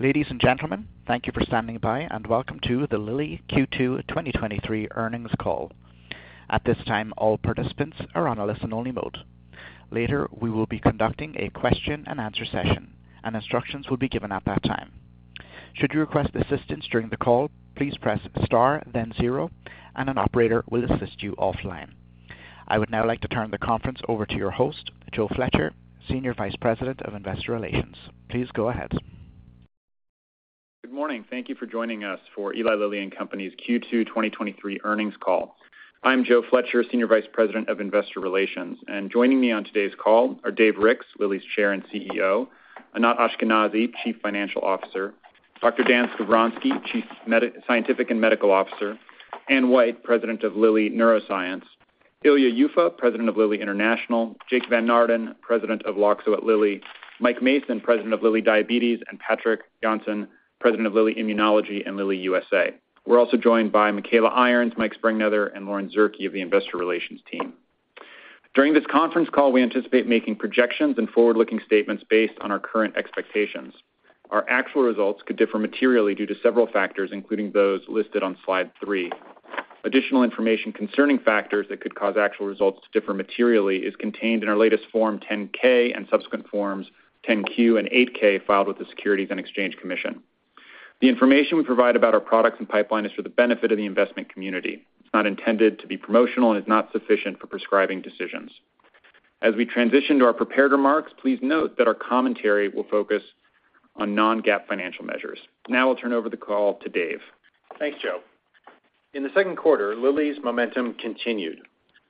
Ladies and gentlemen, thank you for standing by, and welcome to the Lilly Q2 2023 earnings call. At this time, all participants are on a listen-only mode. Later, we will be conducting a question-and-answer session, and instructions will be given at that time. Should you request assistance during the call, please press Star, then zero, and an operator will assist you offline. I would now like to turn the conference over to your host, Joe Fletcher, Senior Vice President of Investor Relations. Please go ahead. Good morning. Thank you for joining us for Eli Lilly and Company's Q2 2023 earnings call. I'm Joe Fletcher, Senior Vice President of Investor Relations, joining me on today's call are Dave Ricks, Lilly's Chair and CEO, Anat Ashkenazi, Chief Financial Officer, Dr. Dan Skovronsky, Chief Scientific and Medical Officer, Anne White, President of Lilly Neuroscience, Ilya Yuffa, President of Lilly International, Jake Van Naarden, President of Loxo at Lilly, Mike Mason, President of Lilly Diabetes, and Patrik Jonsson, President of Lilly Immunology and Lilly USA. We're also joined by Michaela Irons, Mike Sprengnether, and Lauren Zerkle of the Investor Relations team. During this conference call, we anticipate making projections and forward-looking statements based on our current expectations. Our actual results could differ materially due to several factors, including those listed on slide 3. Additional information concerning factors that could cause actual results to differ materially is contained in our latest Form 10-K and Subsequent Forms 10-Q and 8-K filed with the Securities and Exchange Commission. The information we provide about our products and pipeline is for the benefit of the investment community. It's not intended to be promotional and is not sufficient for prescribing decisions. As we transition to our prepared remarks, please note that our commentary will focus on non-GAAP financial measures. I'll turn over the call to Dave. Thanks, Joe. In the second quarter, Lilly's momentum continued.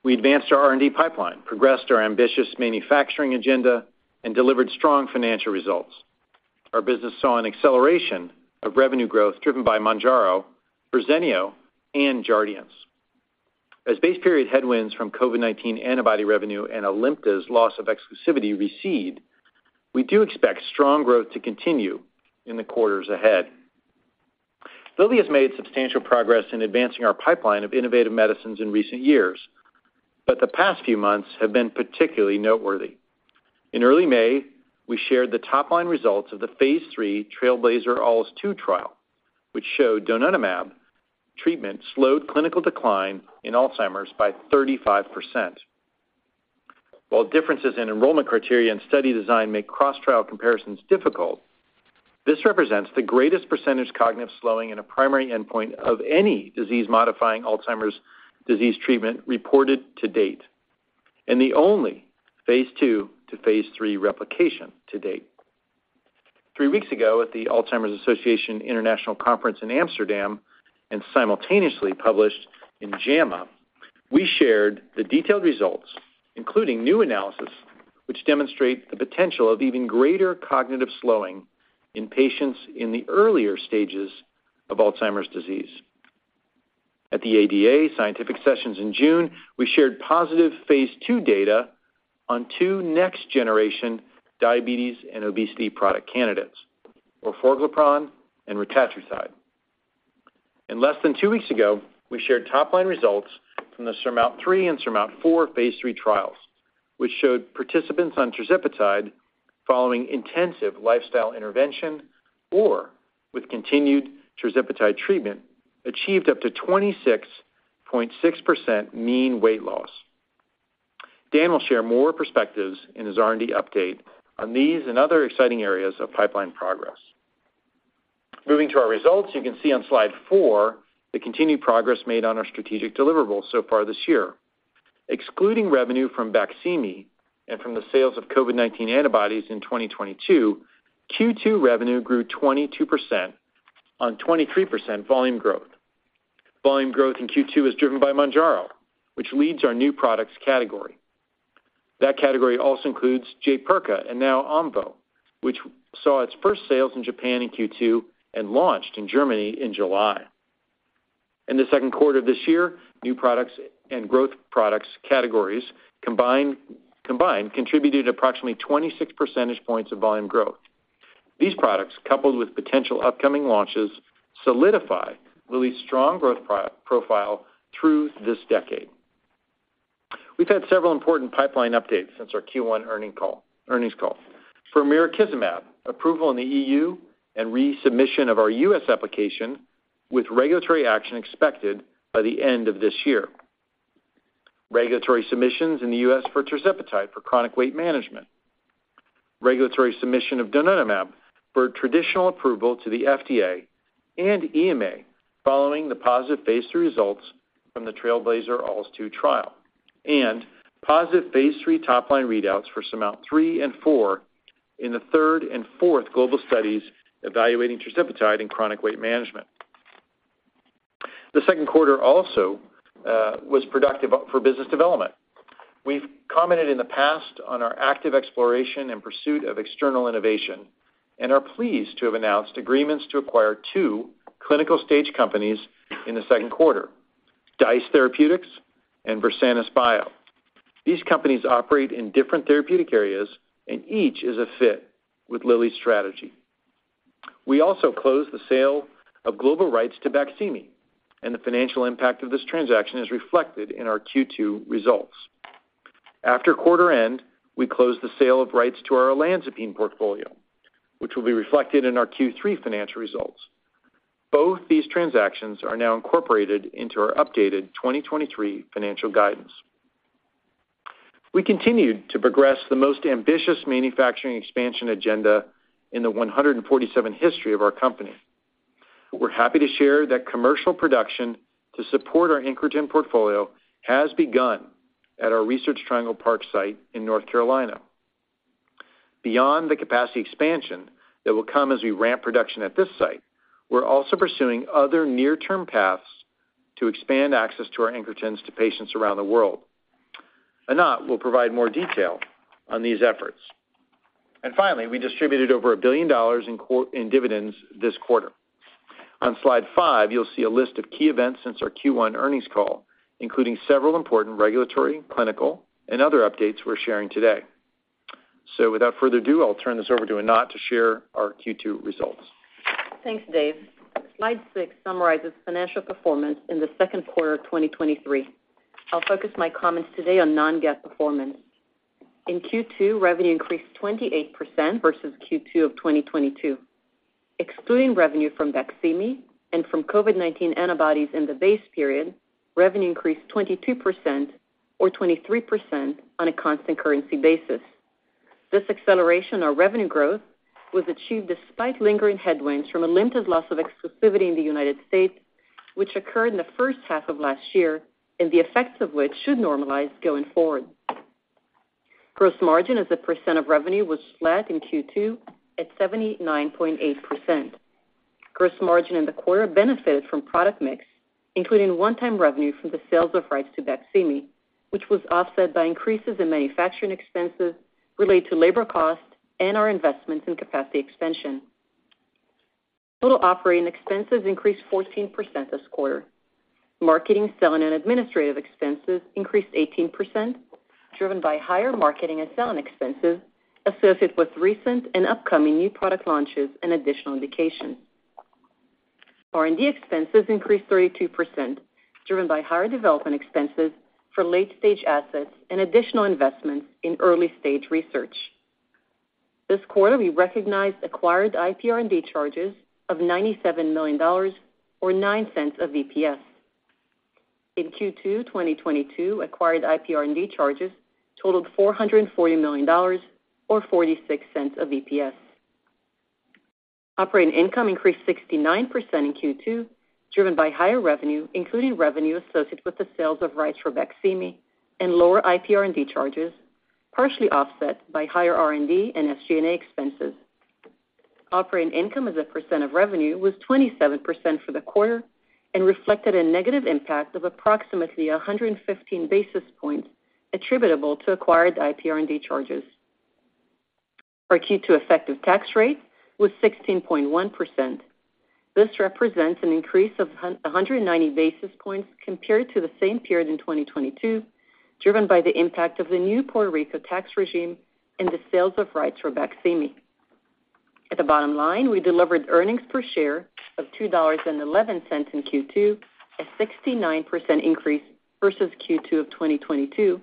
We advanced our R&D pipeline, progressed our ambitious manufacturing agenda, and delivered strong financial results. Our business saw an acceleration of revenue growth, driven by Mounjaro, Verzenio, and Jardiance. As base period headwinds from COVID-19 antibody revenue and Olumiant loss of exclusivity recede, we do expect strong growth to continue in the quarters ahead. Lilly has made substantial progress in advancing our pipeline of innovative medicines in recent years, the past few months have been particularly noteworthy. In early May, we shared the top-line results of the phase 3 TRAILBLAZER-ALZ 2 trial, which showed donanemab treatment slowed clinical decline in Alzheimer's by 35%. While differences in enrollment criteria and study design make cross-trial comparisons difficult, this represents the greatest percentage cognitive slowing in a primary endpoint of any disease-modifying Alzheimer's disease treatment reported to date, and the only phase 2 to phase 3 replication to date. Three weeks ago, at the Alzheimer's Association International Conference in Amsterdam, simultaneously published in JAMA, we shared the detailed results, including new analysis, which demonstrate the potential of even greater cognitive slowing in patients in the earlier stages of Alzheimer's disease. At the ADA Scientific Sessions in June, we shared positive phase II data on two next-generation diabetes and obesity product candidates, orforglipron and retatrutide. Less than two weeks ago, we shared top-line results from the SURMOUNT-3 and SURMOUNT-4 phase III trials, which showed participants on tirzepatide following intensive lifestyle intervention or with continued tirzepatide treatment, achieved up to 26.6% mean weight loss. Dan will share more perspectives in his R&D update on these and other exciting areas of pipeline progress. Moving to our results, you can see on Slide 4 the continued progress made on our strategic deliverables so far this year. Excluding revenue from Baqsimi and from the sales of COVID-19 antibodies in 2022, Q2 revenue grew 22% on 23% volume growth. Volume growth in Q2 is driven by Mounjaro, which leads our new products category. That category also includes Jaypirca and now Omvoh, which saw its first sales in Japan in Q2 and launched in Germany in July. In the second quarter of this year, new products and growth products categories combined contributed approximately 26 percentage points of volume growth. These products, coupled with potential upcoming launches, solidify Lilly's strong growth profile through this decade. We've had several important pipeline updates since our Q1 earnings call. For mirikizumab, approval in the EU and resubmission of our U.S. application, with regulatory action expected by the end of this year. Regulatory submissions in the U.S. for tirzepatide for chronic weight management, regulatory submission of donanemab for traditional approval to the FDA and EMA, following the positive phase III results from the TRAILBLAZER-ALZ 2 trial, positive phase III top-line readouts for SURMOUNT-3 and SURMOUNT-4 in the third and fourth global studies evaluating tirzepatide in chronic weight management. The second quarter also was productive for business development. We've commented in the past on our active exploration and pursuit of external innovation and are pleased to have announced agreements to acquire two clinical stage companies in the second quarter, DICE Therapeutics and Versanis Bio. These companies operate in different therapeutic areas, each is a fit with Lilly's strategy. We also closed the sale of global rights to Baqsimi, the financial impact of this transaction is reflected in our Q2 results. After quarter end, we closed the sale of rights to our olanzapine portfolio, which will be reflected in our Q3 financial results. Both these transactions are now incorporated into our updated 2023 financial guidance. We continued to progress the most ambitious manufacturing expansion agenda in the 147 history of our company. We're happy to share that commercial production to support our incretin portfolio has begun at our Research Triangle Park site in North Carolina. Beyond the capacity expansion that will come as we ramp production at this site, we're also pursuing other near-term paths to expand access to our incretin to patients around the world. Anat will provide more detail on these efforts. Finally, we distributed over $1 billion in dividends this quarter. On slide five, you'll see a list of key events since our Q1 earnings call, including several important regulatory, clinical, and other updates we're sharing today. Without further ado, I'll turn this over to Anat to share our Q2 results. Thanks, Dave. Slide 6 summarizes financial performance in the second quarter of 2023. I'll focus my comments today on non-GAAP performance. In Q2, revenue increased 28% versus Q2 of 2022. Excluding revenue from Baqsimi and from COVID-19 antibodies in the base period, revenue increased 22% or 23% on a constant currency basis. This acceleration of revenue growth was achieved despite lingering headwinds from a limited loss of exclusivity in the U.S., which occurred in the first half of last year, and the effects of which should normalize going forward. Gross margin as a percent of revenue was flat in Q2 at 79.8%. Gross margin in the quarter benefited from product mix, including one-time revenue from the sales of rights to Baqsimi, which was offset by increases in manufacturing expenses related to labor costs and our investments in capacity expansion. Total operating expenses increased 14% this quarter. Marketing, selling, and administrative expenses increased 18%, driven by higher marketing and selling expenses associated with recent and upcoming new product launches and additional indications. R&D expenses increased 32%, driven by higher development expenses for late-stage assets and additional investments in early-stage research. This quarter, we recognized acquired IPR&D charges of $97 million or $0.09 of EPS. In Q2 2022, acquired IPR&D charges totaled $440 million or $0.46 of EPS. Operating income increased 69% in Q2, driven by higher revenue, including revenue associated with the sales of rights for Baqsimi and lower IPR&D charges, partially offset by higher R&D and SG&A expenses. Operating income as a percent of revenue was 27% for the quarter and reflected a negative impact of approximately 115 basis points attributable to acquired IP R&D charges. Our Q2 effective tax rate was 16.1%. This represents an increase of 190 basis points compared to the same period in 2022, driven by the impact of the new Puerto Rico tax regime and the sales of rights for Baqsimi. At the bottom line, we delivered earnings per share of $2.11 in Q2, a 69% increase versus Q2 of 2022,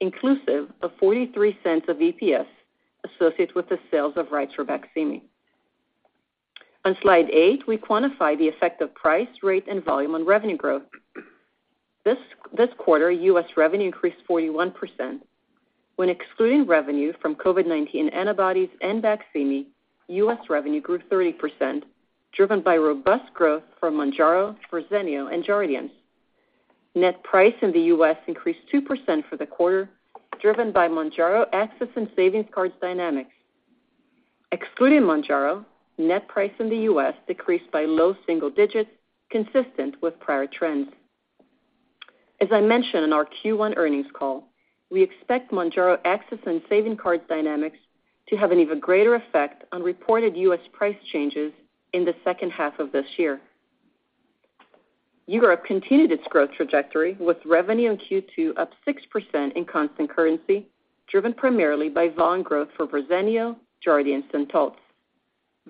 inclusive of $0.43 of EPS associated with the sales of rights for Baqsimi. On slide 8, we quantify the effect of price, rate, and volume on revenue growth. This quarter, U.S. revenue increased 41%. When excluding revenue from COVID-19 antibodies and Baqsimi, U.S. revenue grew 30%, driven by robust growth from Mounjaro, Verzenio, and Jardiance. Net price in the U.S. increased 2% for the quarter, driven by Mounjaro access and savings cards dynamics. Excluding Mounjaro, net price in the U.S. decreased by low single digits, consistent with prior trends. As I mentioned on our Q1 earnings call, we expect Mounjaro access and savings cards dynamics to have an even greater effect on reported U.S. price changes in the second half of this year. Europe continued its growth trajectory, with revenue in Q2 up 6% in constant currency, driven primarily by volume growth for Verzenio, Jardiance, and Taltz.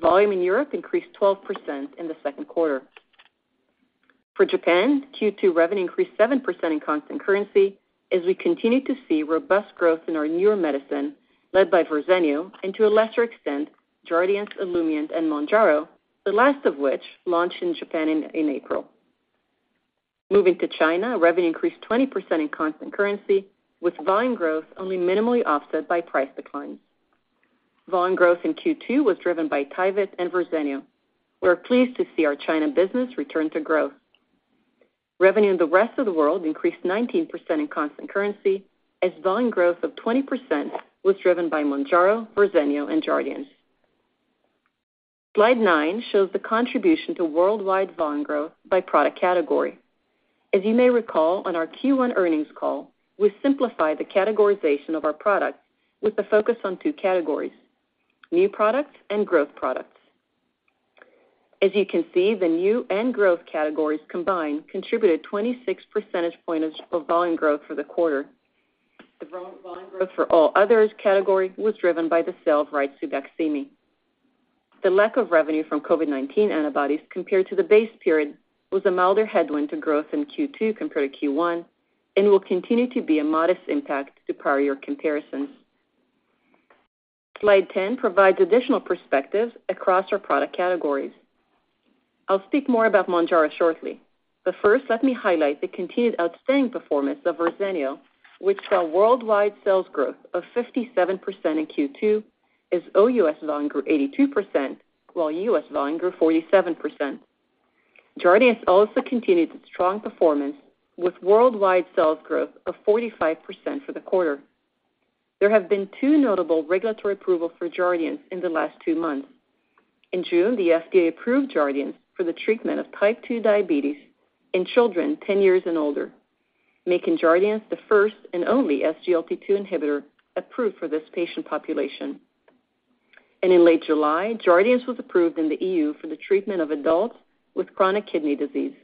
Volume in Europe increased 12% in the second quarter. For Japan, Q2 revenue increased 7% in constant currency as we continued to see robust growth in our newer medicine, led by Verzenio, and to a lesser extent, Jardiance, Olumiant, and Mounjaro, the last of which launched in Japan in April. Moving to China, revenue increased 20% in constant currency, with volume growth only minimally offset by price declines. Volume growth in Q2 was driven by Tyvyt and Verzenio. We are pleased to see our China business return to growth. Revenue in the rest of the world increased 19% in constant currency, as volume growth of 20% was driven by Mounjaro, Verzenio, and Jardiance. Slide nine shows the contribution to worldwide volume growth by product category. As you may recall, on our Q1 earnings call, we simplified the categorization of our products with a focus on two categories: new products and growth products. As you can see, the new and growth categories combined contributed 26 percentage points of volume growth for the quarter. The volume growth for all others category was driven by the sale of rights to Baqsimi. The lack of revenue from COVID-19 antibodies compared to the base period was a milder headwind to growth in Q2 compared to Q1, and will continue to be a modest impact to prior year comparisons. Slide 10 provides additional perspective across our product categories. I'll speak more about Mounjaro shortly, but first, let me highlight the continued outstanding performance of Verzenio, which saw worldwide sales growth of 57% in Q2, as OUS volume grew 82%, while U.S. volume grew 47%. Jardiance also continued its strong performance, with worldwide sales growth of 45% for the quarter. There have been two notable regulatory approvals for Jardiance in the last two months. In June, the FDA approved Jardiance for the treatment of type 2 diabetes in children 10 years and older, making Jardiance the first and only SGLT2 inhibitor approved for this patient population. In late July, Jardiance was approved in the EU for the treatment of adults with chronic kidney disease.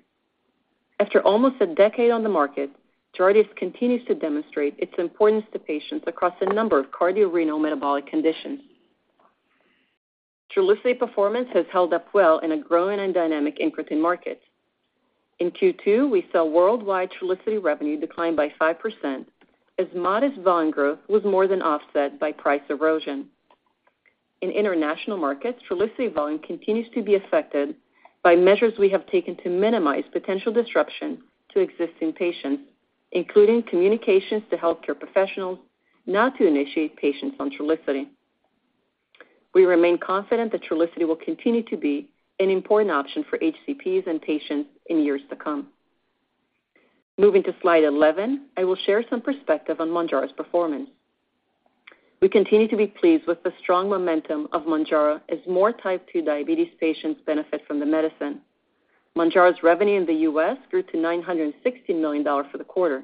After almost a decade on the market, Jardiance continues to demonstrate its importance to patients across a number of cardiorenal metabolic conditions. Trulicity performance has held up well in a growing and dynamic incretin market. In Q2, we saw worldwide Trulicity revenue decline by 5%, as modest volume growth was more than offset by price erosion. In international markets, Trulicity volume continues to be affected by measures we have taken to minimize potential disruption to existing patients, including communications to healthcare professionals, not to initiate patients on Trulicity. We remain confident that Trulicity will continue to be an important option for HCPs and patients in years to come. Moving to slide 11, I will share some perspective on Mounjaro's performance. We continue to be pleased with the strong momentum of Mounjaro as more type two diabetes patients benefit from the medicine. Mounjaro's revenue in the U.S. grew to $960 million for the quarter.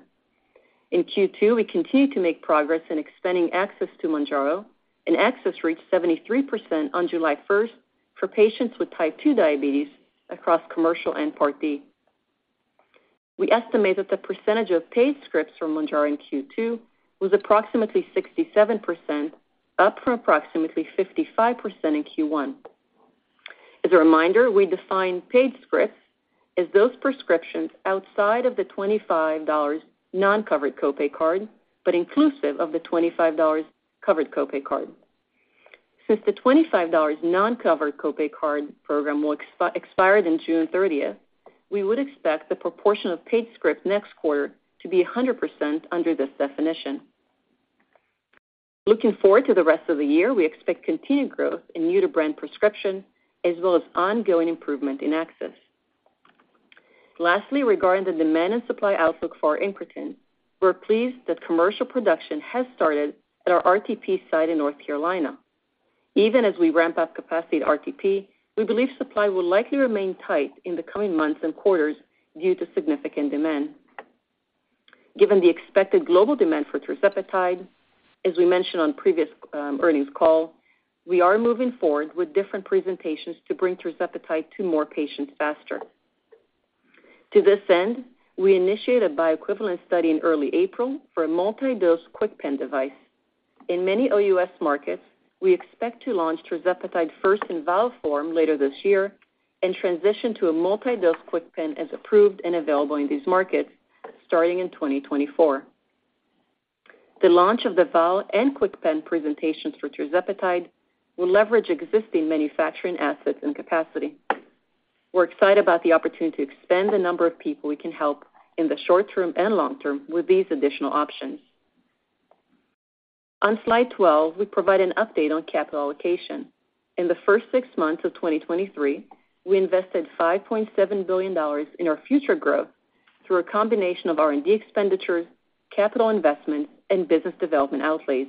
In Q2, we continued to make progress in expanding access to Mounjaro, and access reached 73% on July first for patients with type two diabetes across commercial and Part D. We estimate that the percentage of paid scripts from Mounjaro in Q2 was approximately 67%, up from approximately 55% in Q1. As a reminder, we define paid scripts as those prescriptions outside of the $25 non-covered copay card, but inclusive of the $25 covered copay card. Since the $25 non-covered copay card program will expire on June 30th, we would expect the proportion of paid scripts next quarter to be 100% under this definition. Looking forward to the rest of the year, we expect continued growth in new-to-brand prescription, as well as ongoing improvement in access. Lastly, regarding the demand and supply outlook for our incretin, we're pleased that commercial production has started at our RTP site in North Carolina. Even as we ramp up capacity at RTP, we believe supply will likely remain tight in the coming months and quarters due to significant demand. Given the expected global demand for tirzepatide, as we mentioned on previous earnings call, we are moving forward with different presentations to bring tirzepatide to more patients faster. To this end, we initiated a bioequivalent study in early April for a multi-dose KwikPen device. In many OUS markets, we expect to launch tirzepatide first in vial form later this year and transition to a multi-dose KwikPen as approved and available in these markets starting in 2024. The launch of the vial and KwikPen presentations for tirzepatide will leverage existing manufacturing assets and capacity. We're excited about the opportunity to expand the number of people we can help in the short term and long term with these additional options. On slide 12, we provide an update on capital allocation. In the first six months of 2023, we invested $5.7 billion in our future growth through a combination of R&D expenditures, capital investments, and business development outlays.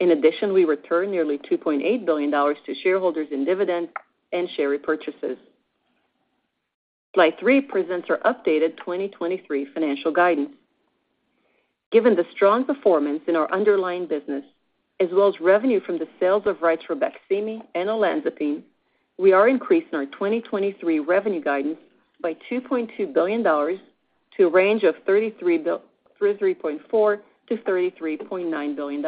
In addition, we returned nearly $2.8 billion to shareholders in dividends and share repurchases. Slide three presents our updated 2023 financial guidance. Given the strong performance in our underlying business, as well as revenue from the sales of rights for Baqsimi and olanzapine, we are increasing our 2023 revenue guidance by $2.2 billion to a range of $33.4 billion-$33.9 billion.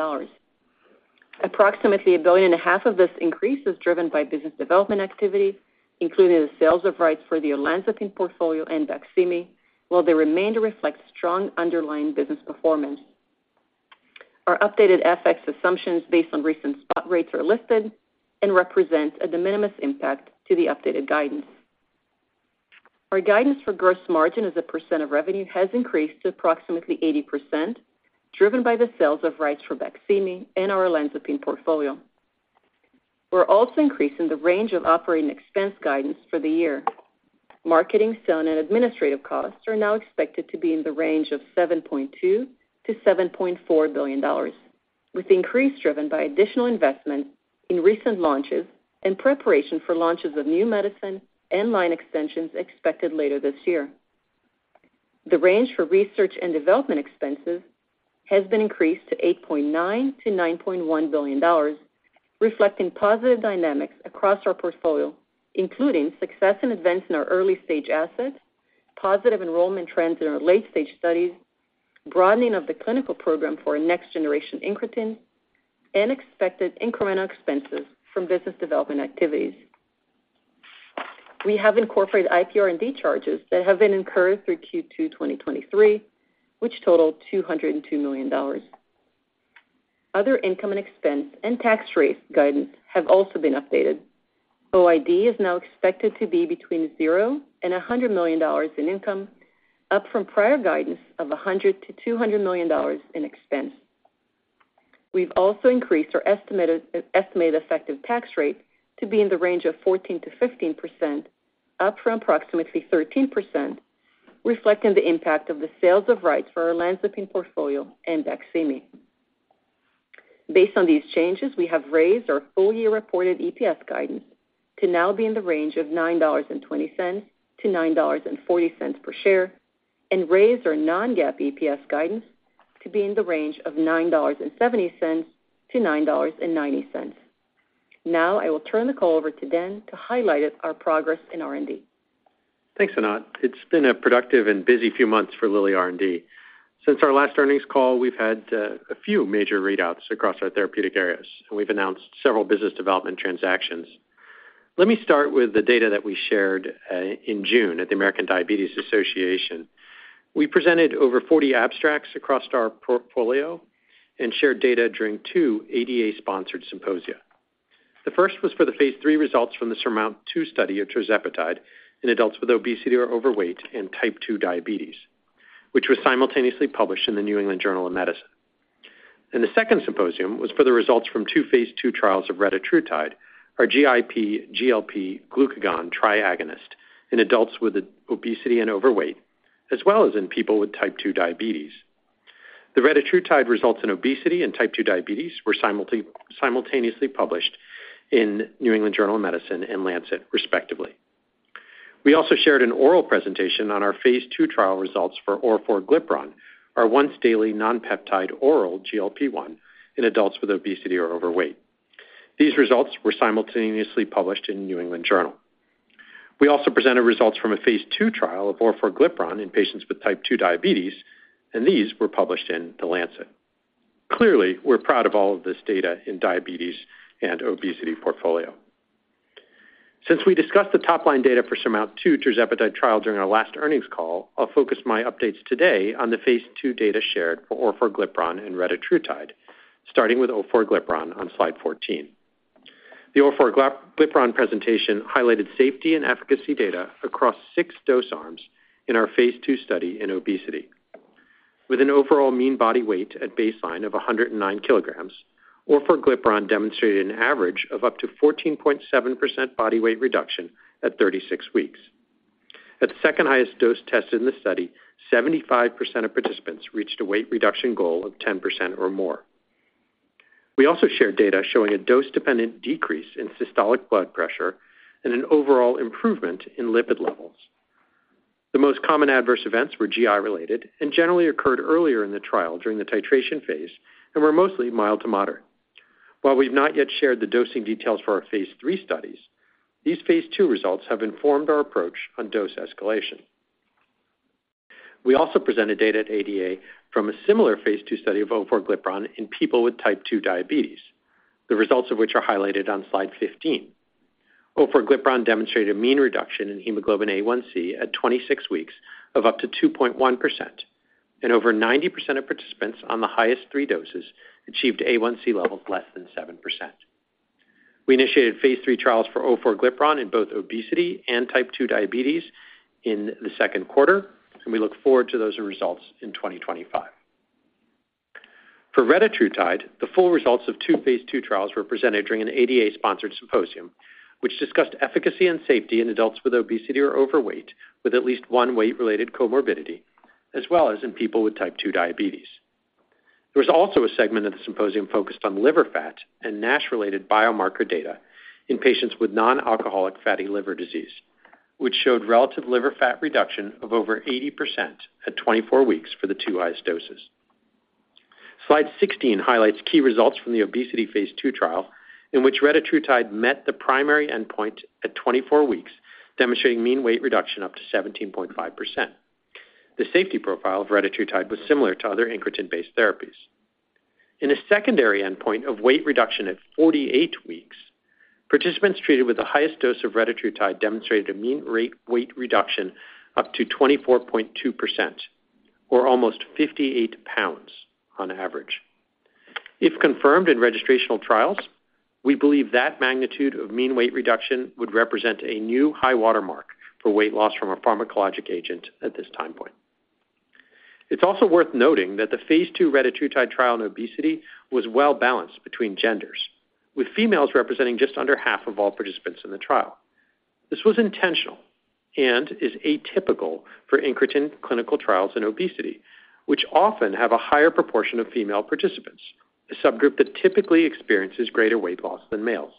Approximately $1.5 billion of this increase is driven by business development activities, including the sales of rights for the olanzapine portfolio and Baqsimi, while the remainder reflects strong underlying business performance. Our updated FX assumptions based on recent spot rates are listed and represent a de minimis impact to the updated guidance. Our guidance for gross margin as a percent of revenue has increased to approximately 80%, driven by the sales of rights for Baqsimi and our olanzapine portfolio. We're also increasing the range of operating expense guidance for the year. Marketing, selling and administrative costs are now expected to be in the range of $7.2 billion-$7.4 billion, with the increase driven by additional investment in recent launches and preparation for launches of new medicine and line extensions expected later this year. The range for research and development expenses has been increased to $8.9 billion-$9.1 billion, reflecting positive dynamics across our portfolio, including success and events in our early-stage assets, positive enrollment trends in our late-stage studies, broadening of the clinical program for a next-generation incretin, and expected incremental expenses from business development activities. We have incorporated IPR&D charges that have been incurred through Q2 2023, which totaled $202 million. Other income and expense and tax rate guidance have also been updated. OID is now expected to be between $0 and $100 million in income, up from prior guidance of $100 million-$200 million in expense. We've also increased our estimated effective tax rate to be in the range of 14%-15%, up from approximately 13%, reflecting the impact of the sales of rights for our olanzapine portfolio and Baqsimi. Based on these changes, we have raised our full-year reported EPS guidance to now be in the range of $9.20-$9.40 per share, and raised our non-GAAP EPS guidance to be in the range of $9.70-$9.90. I will turn the call over to Dan to highlight it, our progress in R&D. Thanks, Anat. It's been a productive and busy few months for Lilly R&D. Since our last earnings call, we've had a few major readouts across our therapeutic areas, and we've announced several business development transactions. Let me start with the data that we shared in June at the American Diabetes Association. We presented over 40 abstracts across our portfolio and shared data during 2 ADA-sponsored symposia. The first was for the phase III results from the SURMOUNT-2 study of tirzepatide in adults with obesity or overweight and type 2 diabetes, which was simultaneously published in the New England Journal of Medicine. The second symposium was for the results from 2 phase II trials of retatrutide, our GIP, GLP glucagon triagonist in adults with obesity and overweight, as well as in people with type 2 diabetes. The retatrutide results in obesity and type two diabetes were simultaneously, simultaneously published in New England Journal of Medicine and Lancet, respectively. We also shared an oral presentation on our phase II trial results for orforglipron, our once daily nonpeptide oral GLP-1 in adults with obesity or overweight. These results were simultaneously published in New England Journal. We also presented results from a phase II trial of orforglipron in patients with type two diabetes, and these were published in The Lancet. Clearly, we're proud of all of this data in diabetes and obesity portfolio. Since we discussed the top-line data for SURMOUNT-2 tirzepatide trial during our last earnings call, I'll focus my updates today on the phase II data shared for orforglipron and retatrutide, starting with orforglipron on slide 14. The orforglipron presentation highlighted safety and efficacy data across six dose arms in our phase II study in obesity, with an overall mean body weight at baseline of 109 kilograms, orforglipron demonstrated an average of up to 14.7% body weight reduction at 36 weeks. At the second-highest dose tested in the study, 75% of participants reached a weight reduction goal of 10% or more. We also shared data showing a dose-dependent decrease in systolic blood pressure and an overall improvement in lipid levels. The most common adverse events were GI-related and generally occurred earlier in the trial during the titration phase and were mostly mild to moderate. While we've not yet shared the dosing details for our phase III studies, these phase II results have informed our approach on dose escalation. We also presented data at ADA from a similar phase 2 study of orforglipron in people with type 2 diabetes, the results of which are highlighted on slide 15. Orforglipron demonstrated a mean reduction in hemoglobin A1C at 26 weeks of up to 2.1%. Over 90% of participants on the highest 3 doses achieved A1C levels less than 7%. We initiated phase 3 trials for orforglipron in both obesity and type 2 diabetes in the second quarter. We look forward to those results in 2025. For retatrutide, the full results of 2 phase 2 trials were presented during an ADA-sponsored symposium, which discussed efficacy and safety in adults with obesity or overweight, with at least one weight-related comorbidity, as well as in people with type 2 diabetes. There was also a segment of the symposium focused on liver fat and NASH-related biomarker data in patients with non-alcoholic fatty liver disease, which showed relative liver fat reduction of over 80% at 24 weeks for the two highest doses. Slide 16 highlights key results from the obesity phase 2 trial, in which retatrutide met the primary endpoint at 24 weeks, demonstrating mean weight reduction up to 17.5%. The safety profile of retatrutide was similar to other incretin-based therapies. In a secondary endpoint of weight reduction at 48 weeks, participants treated with the highest dose of retatrutide demonstrated a mean weight reduction up to 24.2% or almost 58 pounds on average. If confirmed in registrational trials, we believe that magnitude of mean weight reduction would represent a new high watermark for weight loss from a pharmacologic agent at this time point. It's also worth noting that the phase II retatrutide trial in obesity was well-balanced between genders, with females representing just under half of all participants in the trial. This was intentional and is atypical for incretin clinical trials in obesity, which often have a higher proportion of female participants, a subgroup that typically experiences greater weight loss than males.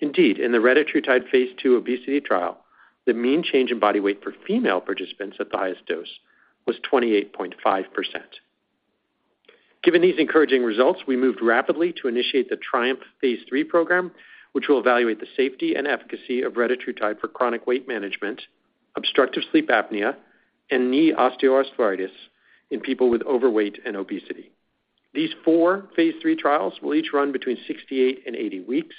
Indeed, in the retatrutide phase II obesity trial, the mean change in body weight for female participants at the highest dose was 28.5%. Given these encouraging results, we moved rapidly to initiate the TRIUMPH phase 3 program, which will evaluate the safety and efficacy of retatrutide for chronic weight management, obstructive sleep apnea, and knee osteoarthritis in people with overweight and obesity. These 4 phase 3 trials will each run between 68 and 80 weeks.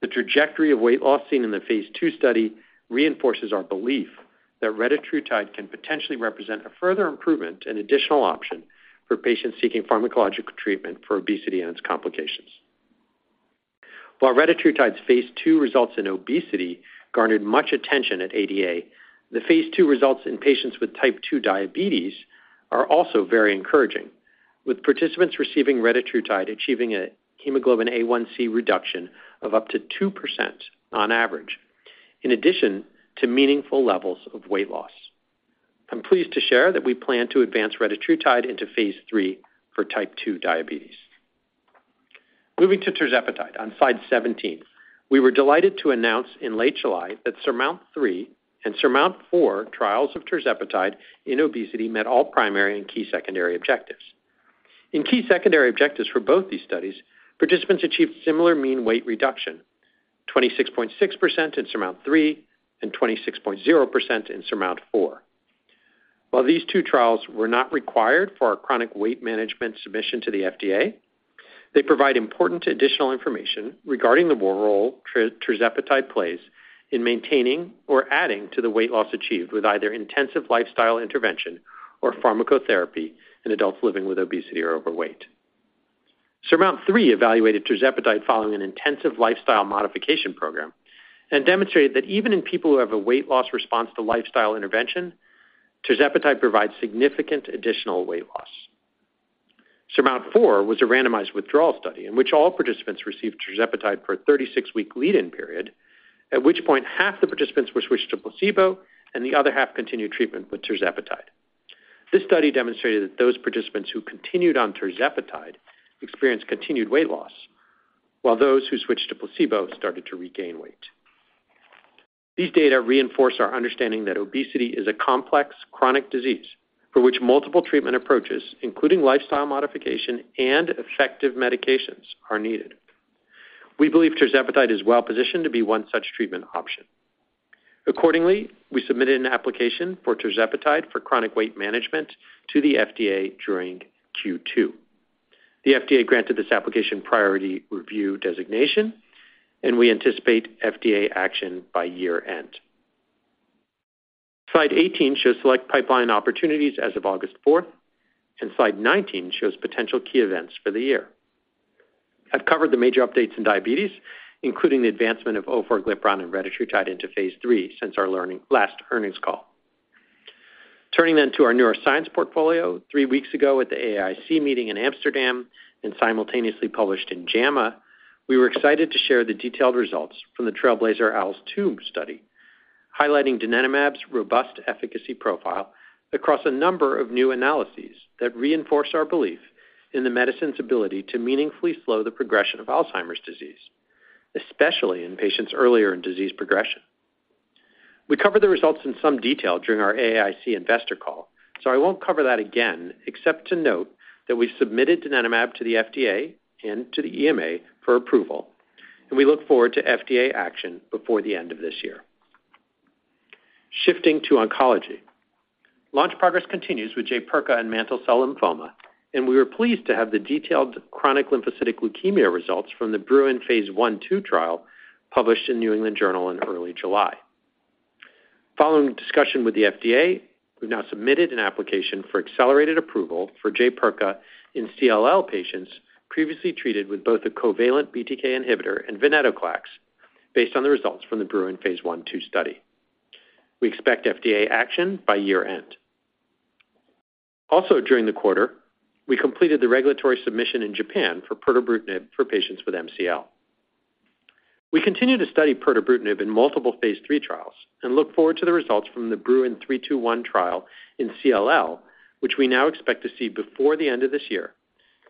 The trajectory of weight loss seen in the phase 2 study reinforces our belief that retatrutide can potentially represent a further improvement and additional option for patients seeking pharmacological treatment for obesity and its complications. While retatrutide's phase 2 results in obesity garnered much attention at ADA, the phase 2 results in patients with type 2 diabetes are also very encouraging, with participants receiving retatrutide achieving a hemoglobin A1c reduction of up to 2% on average, in addition to meaningful levels of weight loss. I'm pleased to share that we plan to advance retatrutide into phase 3 for type 2 diabetes. Moving to tirzepatide on slide 17. We were delighted to announce in late July that SURMOUNT-3 and SURMOUNT-4 trials of tirzepatide in obesity met all primary and key secondary objectives. In key secondary objectives for both these studies, participants achieved similar mean weight reduction, 26.6% in SURMOUNT-3 and 26.0% in SURMOUNT-4. While these two trials were not required for our chronic weight management submission to the FDA, they provide important additional information regarding the role tirzepatide plays in maintaining or adding to the weight loss achieved with either intensive lifestyle intervention or pharmacotherapy in adults living with obesity or overweight. SURMOUNT-3 evaluated tirzepatide following an intensive lifestyle modification program and demonstrated that even in people who have a weight loss response to lifestyle intervention, tirzepatide provides significant additional weight loss. SURMOUNT-4 was a randomized withdrawal study in which all participants received tirzepatide for a 36-week lead-in period, at which point half the participants were switched to placebo and the other half continued treatment with tirzepatide. This study demonstrated that those participants who continued on tirzepatide experienced continued weight loss, while those who switched to placebo started to regain weight. These data reinforce our understanding that obesity is a complex, chronic disease for which multiple treatment approaches, including lifestyle modification and effective medications, are needed. We believe tirzepatide is well positioned to be one such treatment option. Accordingly, we submitted an application for tirzepatide for chronic weight management to the FDA during Q2. The FDA granted this application priority review designation, and we anticipate FDA action by year-end. Slide 18 shows select pipeline opportunities as of August fourth, and slide 19 shows potential key events for the year. I've covered the major updates in diabetes, including the advancement of orforglipron and retatrutide into phase 3 since our last earnings call. Turning to our neuroscience portfolio. Three weeks ago, at the AAIC meeting in Amsterdam and simultaneously published in JAMA, we were excited to share the detailed results from the TRAILBLAZER-ALZ 2 study, highlighting donanemab's robust efficacy profile across a number of new analyses that reinforce our belief in the medicine's ability to meaningfully slow the progression of Alzheimer's disease, especially in patients earlier in disease progression. We covered the results in some detail during our AAIC investor call, I won't cover that again, except to note that we've submitted donanemab to the FDA and to the EMA for approval. We look forward to FDA action before the end of this year. Shifting to oncology. Launch progress continues with Jaypirca and mantle cell lymphoma. We were pleased to have the detailed chronic lymphocytic leukemia results from the BRUIN phase 1/2 trial published in New England Journal in early July. Following discussion with the FDA, we've now submitted an application for accelerated approval for Jaypirca in CLL patients previously treated with both a covalent BTK inhibitor and venetoclax, based on the results from the BRUIN Phase 1/2 study. We expect FDA action by year-end. During the quarter, we completed the regulatory submission in Japan for pirtobrutinib for patients with MCL. We continue to study pirtobrutinib in multiple Phase 3 trials and look forward to the results from the BRUIN CLL-321 trial in CLL, which we now expect to see before the end of this year,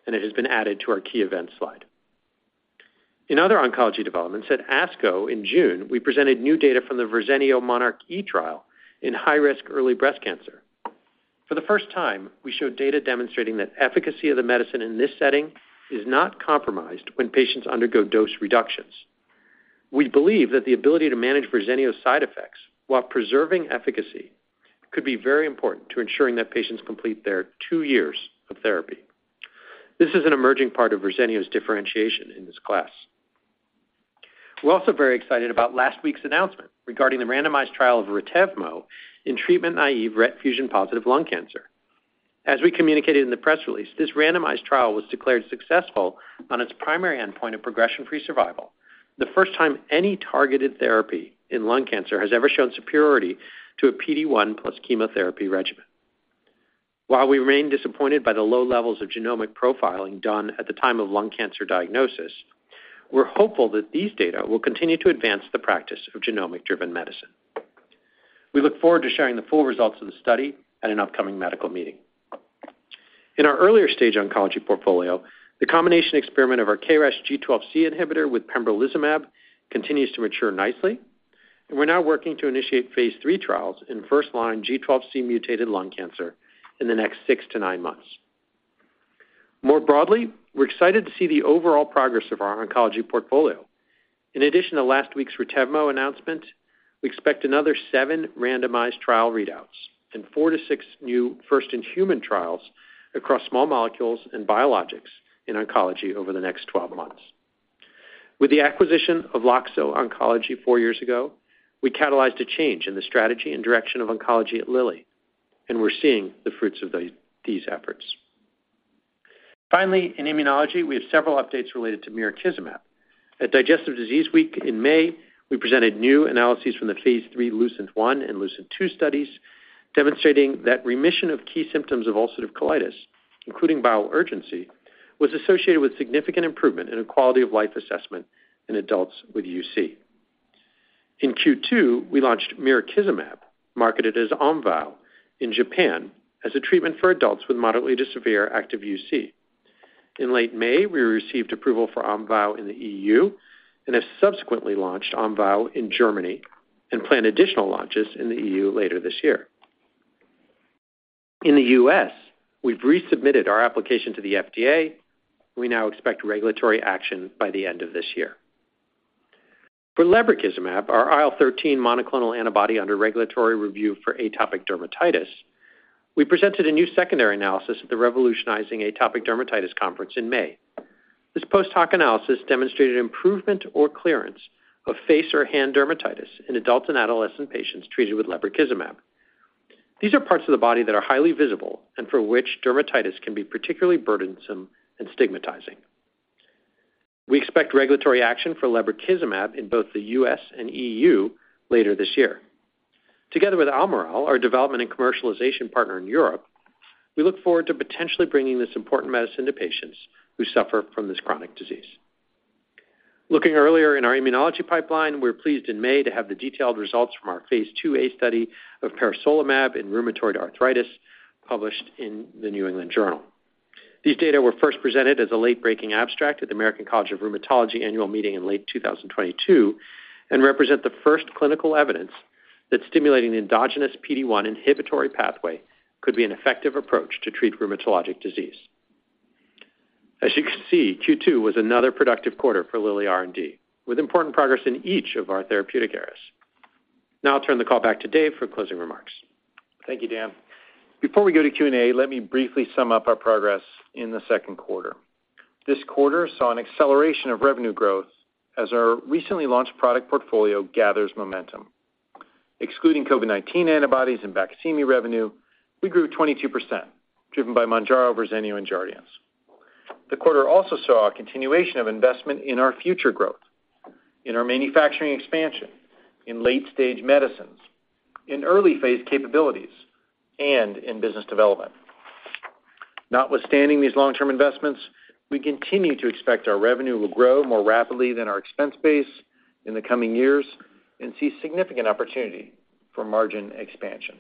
and it has been added to our key events slide. In other oncology developments, at ASCO in June, we presented new data from the Verzenio monarchE trial in high-risk early breast cancer. For the first time, we showed data demonstrating that efficacy of the medicine in this setting is not compromised when patients undergo dose reductions. We believe that the ability to manage Verzenio's side effects while preserving efficacy could be very important to ensuring that patients complete their two years of therapy. This is an emerging part of Verzenio's differentiation in this class. We're also very excited about last week's announcement regarding the randomized trial of Retevmo in treatment-naive RET fusion-positive lung cancer. As we communicated in the press release, this randomized trial was declared successful on its primary endpoint of progression-free survival, the first time any targeted therapy in lung cancer has ever shown superiority to a PD-1 plus chemotherapy regimen. While we remain disappointed by the low levels of genomic profiling done at the time of lung cancer diagnosis, we're hopeful that these data will continue to advance the practice of genomic-driven medicine. We look forward to sharing the full results of the study at an upcoming medical meeting. In our earlier stage oncology portfolio, the combination experiment of our KRAS G12C inhibitor with pembrolizumab continues to mature nicely. We're now working to initiate phase 3 trials in first-line G12C-mutated lung cancer in the next six to nine months. More broadly, we're excited to see the overall progress of our oncology portfolio. In addition to last week's Retevmo announcement, we expect another seven randomized trial readouts and four to six new first-in-human trials across small molecules and biologics in oncology over the next 12 months. With the acquisition of Loxo Oncology 4 years ago, we catalyzed a change in the strategy and direction of oncology at Lilly, and we're seeing the fruits of the, these efforts. Finally, in immunology, we have several updates related to mirikizumab. At Digestive Disease Week in May, we presented new analyses from the phase 3 LUCENT-1 and LUCENT-2 studies, demonstrating that remission of key symptoms of ulcerative colitis, including bowel urgency, was associated with significant improvement in a quality-of-life assessment in adults with UC. In Q2, we launched mirikizumab, marketed as Omvoh in Japan, as a treatment for adults with moderately to severe active UC. In late May, we received approval for Omvoh in the EU and have subsequently launched Omvoh in Germany and plan additional launches in the EU later this year. In the U.S., we've resubmitted our application to the FDA. We now expect regulatory action by the end of this year. For lebrikizumab, our IL-13 monoclonal antibody under regulatory review for atopic dermatitis, we presented a new secondary analysis at the Revolutionizing Atopic Dermatitis Conference in May. This post hoc analysis demonstrated improvement or clearance of face or hand dermatitis in adult and adolescent patients treated with lebrikizumab. These are parts of the body that are highly visible and for which dermatitis can be particularly burdensome and stigmatizing. We expect regulatory action for lebrikizumab in both the U.S. and EU later this year. Together with Almirall, our development and commercialization partner in Europe, we look forward to potentially bringing this important medicine to patients who suffer from this chronic disease. Looking earlier in our immunology pipeline, we were pleased in May to have the detailed results from our phase 2A study of parasolimab in rheumatoid arthritis, published in the New England Journal. These data were first presented as a late-breaking abstract at the American College of Rheumatology annual meeting in late 2022, and represent the first clinical evidence that stimulating the endogenous PD1 inhibitory pathway could be an effective approach to treat rheumatologic disease. As you can see, Q2 was another productive quarter for Lilly R&D, with important progress in each of our therapeutic areas. Now I'll turn the call back to Dave for closing remarks. Thank you, Dan. Before we go to Q&A, let me briefly sum up our progress in the second quarter. This quarter saw an acceleration of revenue growth as our recently launched product portfolio gathers momentum. Excluding COVID-19 antibodies and baqsimi revenue, we grew 22%, driven by Mounjaro, Verzenio and Jardiance. The quarter also saw a continuation of investment in our future growth, in our manufacturing expansion, in late-stage medicines, in early-phase capabilities, and in business development. Notwithstanding these long-term investments, we continue to expect our revenue will grow more rapidly than our expense base in the coming years and see significant opportunity for margin expansion.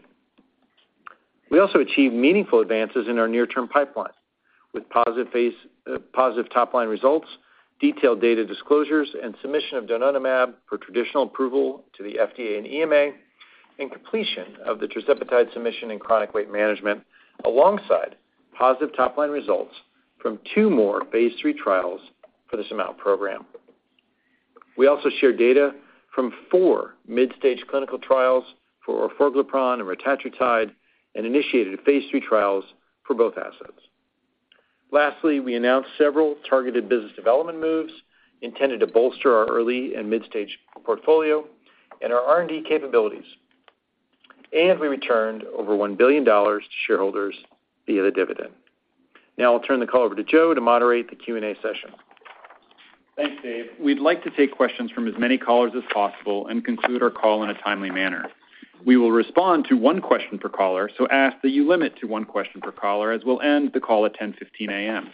We also achieved meaningful advances in our near-term pipeline, with positive phase... positive top-line results, detailed data disclosures, and submission of donanemab for traditional approval to the FDA and EMA, and completion of the tirzepatide submission in chronic weight management, alongside positive top-line results from two more phase 3 trials for the SURMOUNT program. We also shared data from 4 mid-stage clinical trials for orforglipron and retatrutide, and initiated phase 3 trials for both assets. Lastly, we announced several targeted business development moves intended to bolster our early and mid-stage portfolio and our R&D capabilities. We returned over $1 billion to shareholders via the dividend. Now I'll turn the call over to Joe to moderate the Q&A session. Thanks, Dave. We'd like to take questions from as many callers as possible and conclude our call in a timely manner. We will respond to 1 question per caller, so ask that you limit to 1 question per caller, as we'll end the call at 10:15 A.M.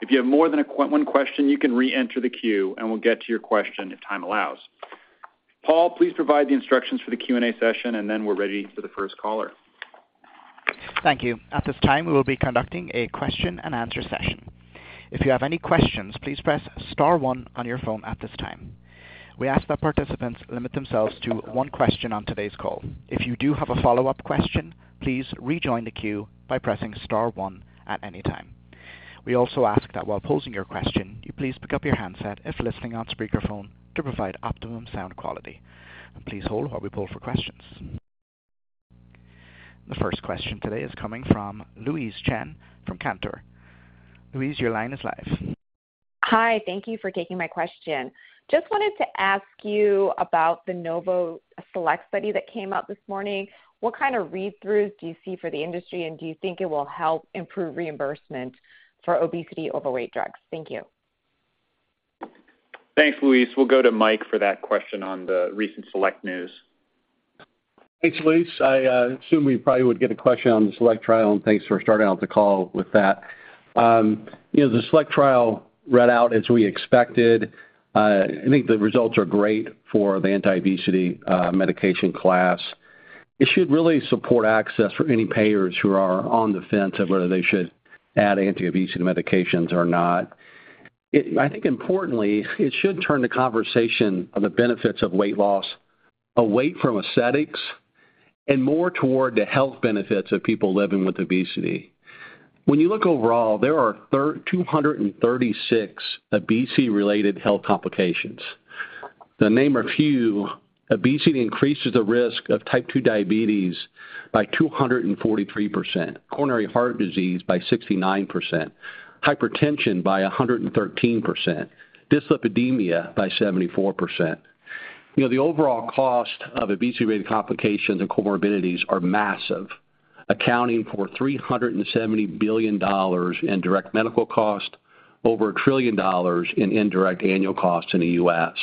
If you have more than a 1 question, you can reenter the queue and we'll get to your question if time allows. Paul, please provide the instructions for the Q&A session, and then we're ready for the first caller. Thank you. At this time, we will be conducting a question-and-answer session. If you have any questions, please press star one on your phone at this time. We ask that participants limit themselves to one question on today's call. If you do have a follow-up question, please rejoin the queue by pressing star one at any time. We also ask that while posing your question, you please pick up your handset if listening on speakerphone to provide optimum sound quality. Please hold while we pull for questions. The first question today is coming from Louise Chen from Cantor. Louise, your line is live. Hi, thank you for taking my question. Just wanted to ask you about the Novo SELECT study that came out this morning. What kind of read-throughs do you see for the industry, and do you think it will help improve reimbursement for obesity overweight drugs? Thank you. Thanks, Louise. We'll go to Mike for that question on the recent SELECT news. Thanks, Louise. I assume we probably would get a question on the Select trial. Thanks for starting out the call with that. You know, the Select trial read out as we expected. I think the results are great for the anti-obesity medication class. It should really support access for any payers who are on the fence of whether they should add anti-obesity medications or not. It, I think importantly, it should turn the conversation on the benefits of weight loss away from aesthetics and more toward the health benefits of people living with obesity. When you look overall, there are 236 obesity-related health complications. To name a few, obesity increases the risk of type 2 diabetes by 243%, coronary heart disease by 69%, hypertension by 113%, dyslipidemia by 74%. You know, the overall cost of obesity-related complications and comorbidities are massive, accounting for $370 billion in direct medical costs, over $1 trillion in indirect annual costs in the U.S.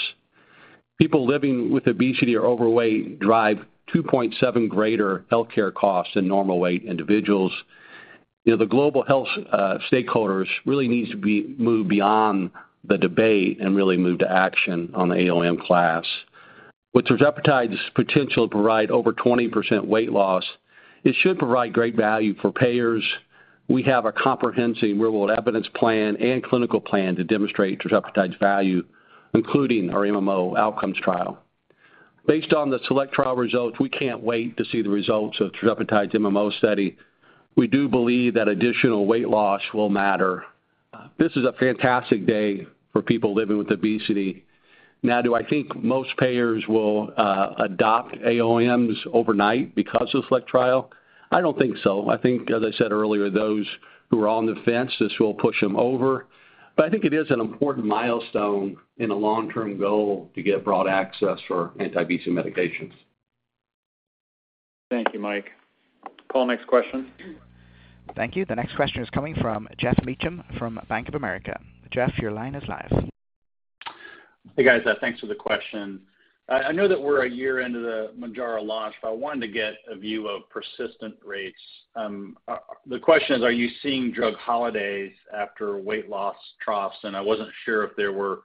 People living with obesity or overweight drive 2.7 greater healthcare costs than normal weight individuals. You know, the global health stakeholders really needs to be moved beyond the debate and really move to action on the AOM class. With tirzepatide's potential to provide over 20% weight loss, it should provide great value for payers. We have a comprehensive real-world evidence plan and clinical plan to demonstrate tirzepatide's value, including our MMO outcomes trial. Based on the SELECT trial results, we can't wait to see the results of tirzepatide's MMO study. We do believe that additional weight loss will matter. This is a fantastic day for people living with obesity. Now, do I think most payers will adopt AOMs overnight because of SELECT trial? I don't think so. I think, as I said earlier, those who are on the fence, this will push them over. I think it is an important milestone in a long-term goal to get broad access for anti-obesity medications. Thank you, Mike. Paul, next question. Thank you. The next question is coming from Geoff Meacham from Bank of America. Geoff, your line is live. Hey, guys, thanks for the question. I know that we're a year into the Mounjaro launch, but I wanted to get a view of persistent rates. The question is, are you seeing drug holidays after weight loss troughs? I wasn't sure if there were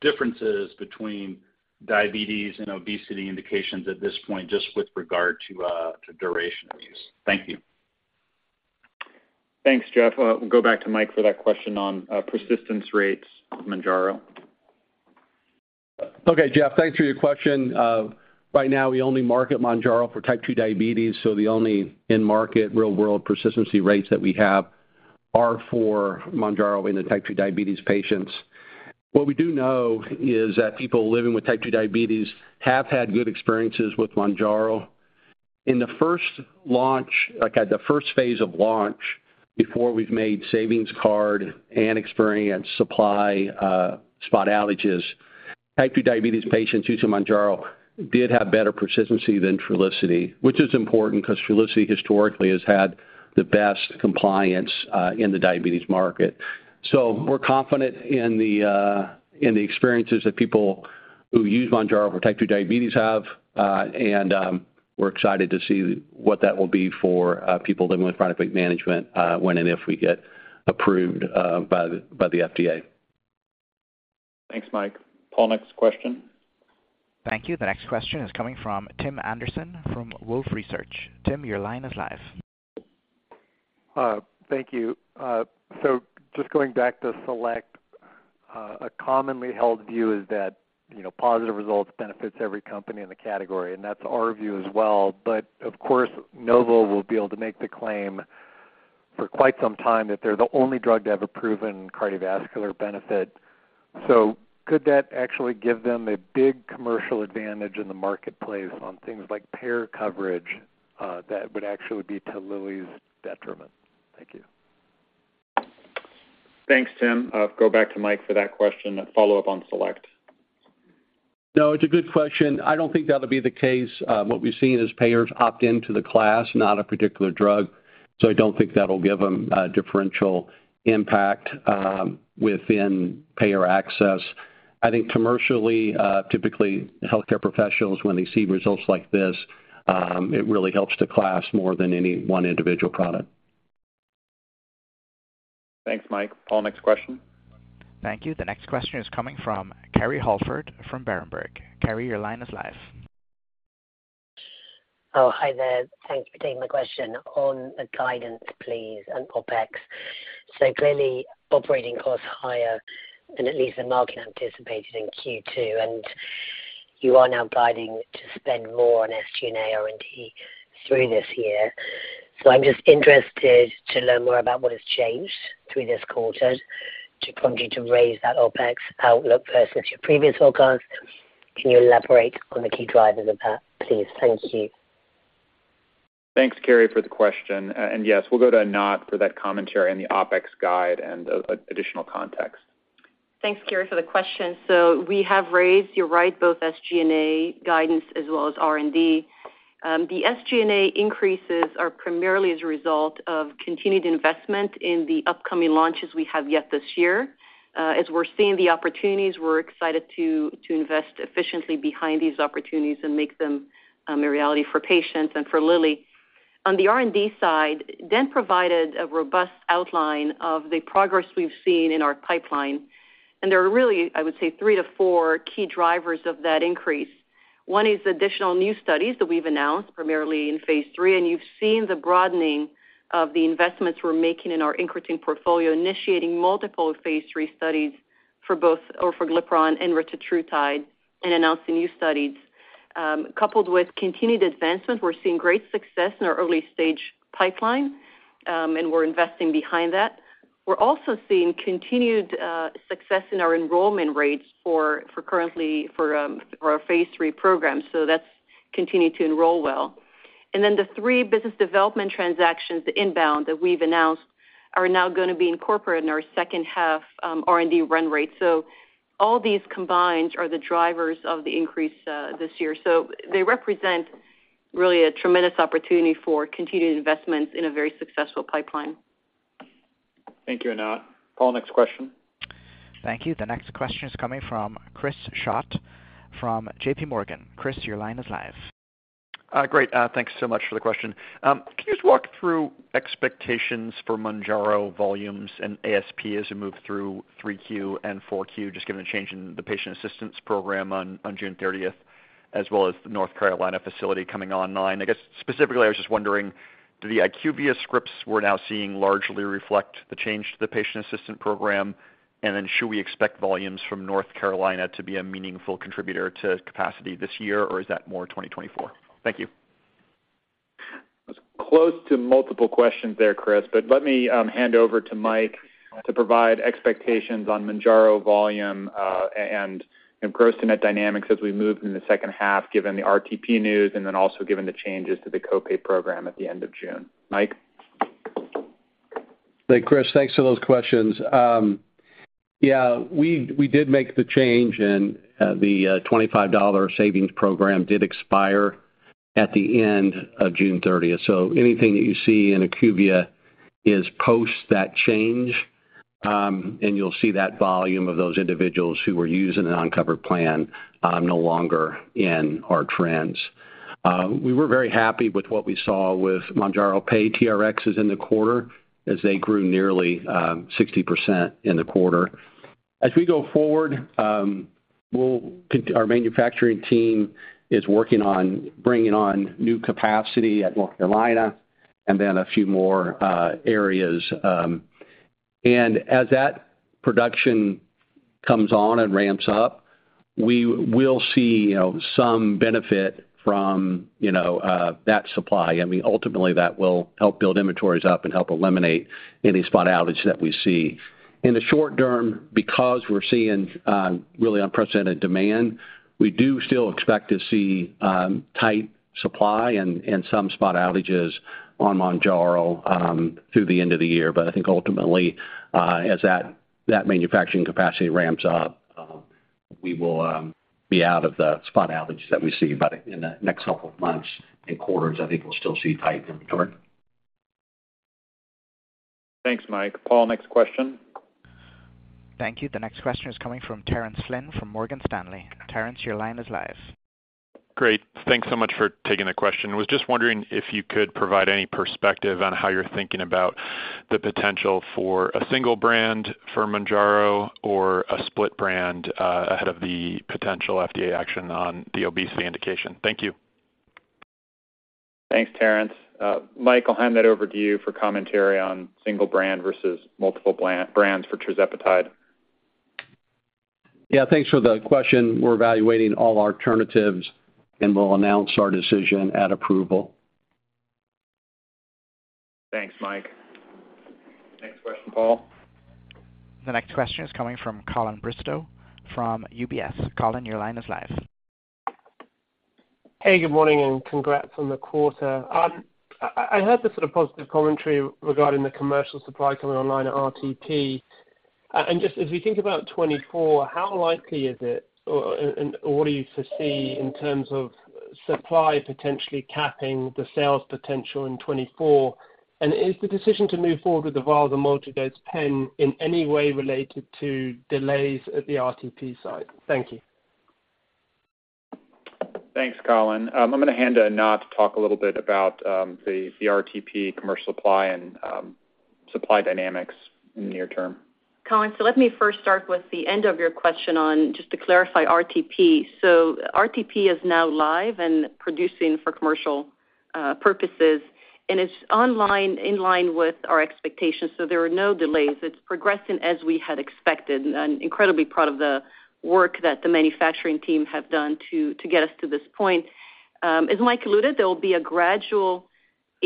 differences between diabetes and obesity indications at this point, just with regard to duration of use. Thank you. Thanks, Geoff. We'll go back to Mike for that question on persistence rates of Mounjaro. Okay, Geoff, thanks for your question. Right now, we only market Mounjaro for type 2 diabetes, the only in-market real-world persistency rates that we have are for Mounjaro in the type 2 diabetes patients. What we do know is that people living with type 2 diabetes have had good experiences with Mounjaro. In the 1st launch, like at the 1st phase of launch, before we've made savings hard and experienced supply spot outages, type 2 diabetes patients using Mounjaro did have better persistency than Trulicity, which is important because Trulicity historically has had the best compliance in the diabetes market. We're confident in the experiences that people who use Mounjaro for type two diabetes have, and we're excited to see what that will be for people living with chronic weight management when and if we get approved by the FDA. Thanks, Mike. Paul, next question. Thank you. The next question is coming from Tim Anderson from Wolfe Research. Tim, your line is live. Thank you. Just going back to SELECT, a commonly held view is that, you know, positive results benefits every company in the category, and that's our view as well. Of course, Novo will be able to make the claim for quite some time that they're the only drug to have a proven cardiovascular benefit. Could that actually give them a big commercial advantage in the marketplace on things like pair coverage, that would actually be to Lilly's detriment? Thank you. Thanks, Tim. I'll go back to Mike for that question, a follow-up on SELECT. No, it's a good question. I don't think that'll be the case. What we've seen is payers opt in to the class, not a particular drug, so I don't think that'll give them a differential impact within payer access. I think commercially, typically, healthcare professionals, when they see results like this, it really helps the class more than any one individual product. Thanks, Mike. Paul, next question. Thank you. The next question is coming from Kerry Holford from Berenberg. Kerry, your line is live. Oh, hi there. Thank you for taking my question. On the guidance, please, and OpEx. Clearly, operating costs are higher than at least the market anticipated in Q2, and you are now guiding to spend more on SG&A R&D through this year. I'm just interested to learn more about what has changed through this quarter to prompt you to raise that OpEx outlook versus your previous outlook. Can you elaborate on the key drivers of that, please? Thank you. Thanks, Kerry, for the question. Yes, we'll go to Anat for that commentary and the OpEx guide and additional context. Thanks, Kerry, for the question. We have raised, you're right, both SG&A guidance as well as R&D. The SG&A increases are primarily as a result of continued investment in the upcoming launches we have yet this year. As we're seeing the opportunities, we're excited to, to invest efficiently behind these opportunities and make them, a reality for patients and for Lilly.... On the R&D side, Dan provided a robust outline of the progress we've seen in our pipeline, and there are really, I would say, 3 to 4 key drivers of that increase. One is additional new studies that we've announced, primarily in phase III, and you've seen the broadening of the investments we're making in our increasing portfolio, initiating multiple phase III studies for both, orforglipron and retatrutide, and announcing new studies. Coupled with continued advancement, we're seeing great success in our early stage pipeline, and we're investing behind that. We're also seeing continued success in our enrollment rates for, for currently, for our phase III program, so that's continued to enroll well. Then the three business development transactions, the inbound that we've announced, are now gonna be incorporated in our second half R&D run rate. All these combined are the drivers of the increase this year. They represent really a tremendous opportunity for continued investments in a very successful pipeline. Thank you, Anat. Paul, next question. Thank you. The next question is coming from Chris Schott from J.P. Morgan. Chris, your line is live. Great. Thanks so much for the question. Can you walk through expectations for Mounjaro volumes and ASP as you move through 3Q and 4Q, given the change in the patient assistance program on June 30th, as well as the North Carolina facility coming online? Specifically, I was wondering, do the IQVIA scripts we're now seeing largely reflect the change to the patient assistance program? Should we expect volumes from North Carolina to be a meaningful contributor to capacity this year, or is that more 2024? Thank you. That's close to multiple questions there, Chris, but let me hand over to Mike to provide expectations on Mounjaro volume and gross to net dynamics as we move in the second half, given the RTP news and then also given the changes to the co-pay program at the end of June. Mike? Hey, Chris, thanks for those questions. We, we did make the change, the $25 savings program did expire at the end of June 30th. Anything that you see in IQVIA is post that change, and you'll see that volume of those individuals who were using an uncovered plan, no longer in our trends. We were very happy with what we saw with Mounjaro paid TRXs in the quarter, as they grew nearly 60% in the quarter. As we go forward, we'll our manufacturing team is working on bringing on new capacity at North Carolina and then a few more areas. As that production comes on and ramps up, we will see, you know, some benefit from, you know, that supply. We ultimately, that will help build inventories up and help eliminate any spot outage that we see. In the short term, because we're seeing really unprecedented demand, we do still expect to see tight supply and some spot outages on Mounjaro through the end of the year. I think ultimately, as that manufacturing capacity ramps up, we will be out of the spot outage that we see. In the next couple of months and quarters, I think we'll still see tight inventory. Thanks, Mike. Paul, next question. Thank you. The next question is coming from Terence Flynn from Morgan Stanley. Terence, your line is live. Great. Thanks so much for taking the question. Was just wondering if you could provide any perspective on how you're thinking about the potential for a single brand for Mounjaro or a split brand, ahead of the potential FDA action on the obesity indication? Thank you. Thanks, Terence. Mike, I'll hand that over to you for commentary on single brand versus multiple brands for tirzepatide. Yeah, thanks for the question. We're evaluating all alternatives, and we'll announce our decision at approval. Thanks, Mike. Next question, Paul. The next question is coming from Colin Bristow from UBS. Colin, your line is live. Hey, good morning. Congrats on the quarter. I heard the sort of positive commentary regarding the commercial supply coming online at RTP. Just as we think about 2024, how likely is it, and what do you foresee in terms of supply potentially capping the sales potential in 2024? Is the decision to move forward with the vial and multi-dose pen in any way related to delays at the RTP site? Thank you. Thanks, Colin. I'm gonna hand to Anat to talk a little bit about the, the RTP commercial supply and supply dynamics in the near term. Colin, let me first start with the end of your question on, just to clarify, RTP. RTP is now live and producing for commercial purposes, and it's online, in line with our expectations, so there are no delays. It's progressing as we had expected. I'm incredibly proud of the work that the manufacturing team have done to, to get us to this point. As Mike alluded, there will be a gradual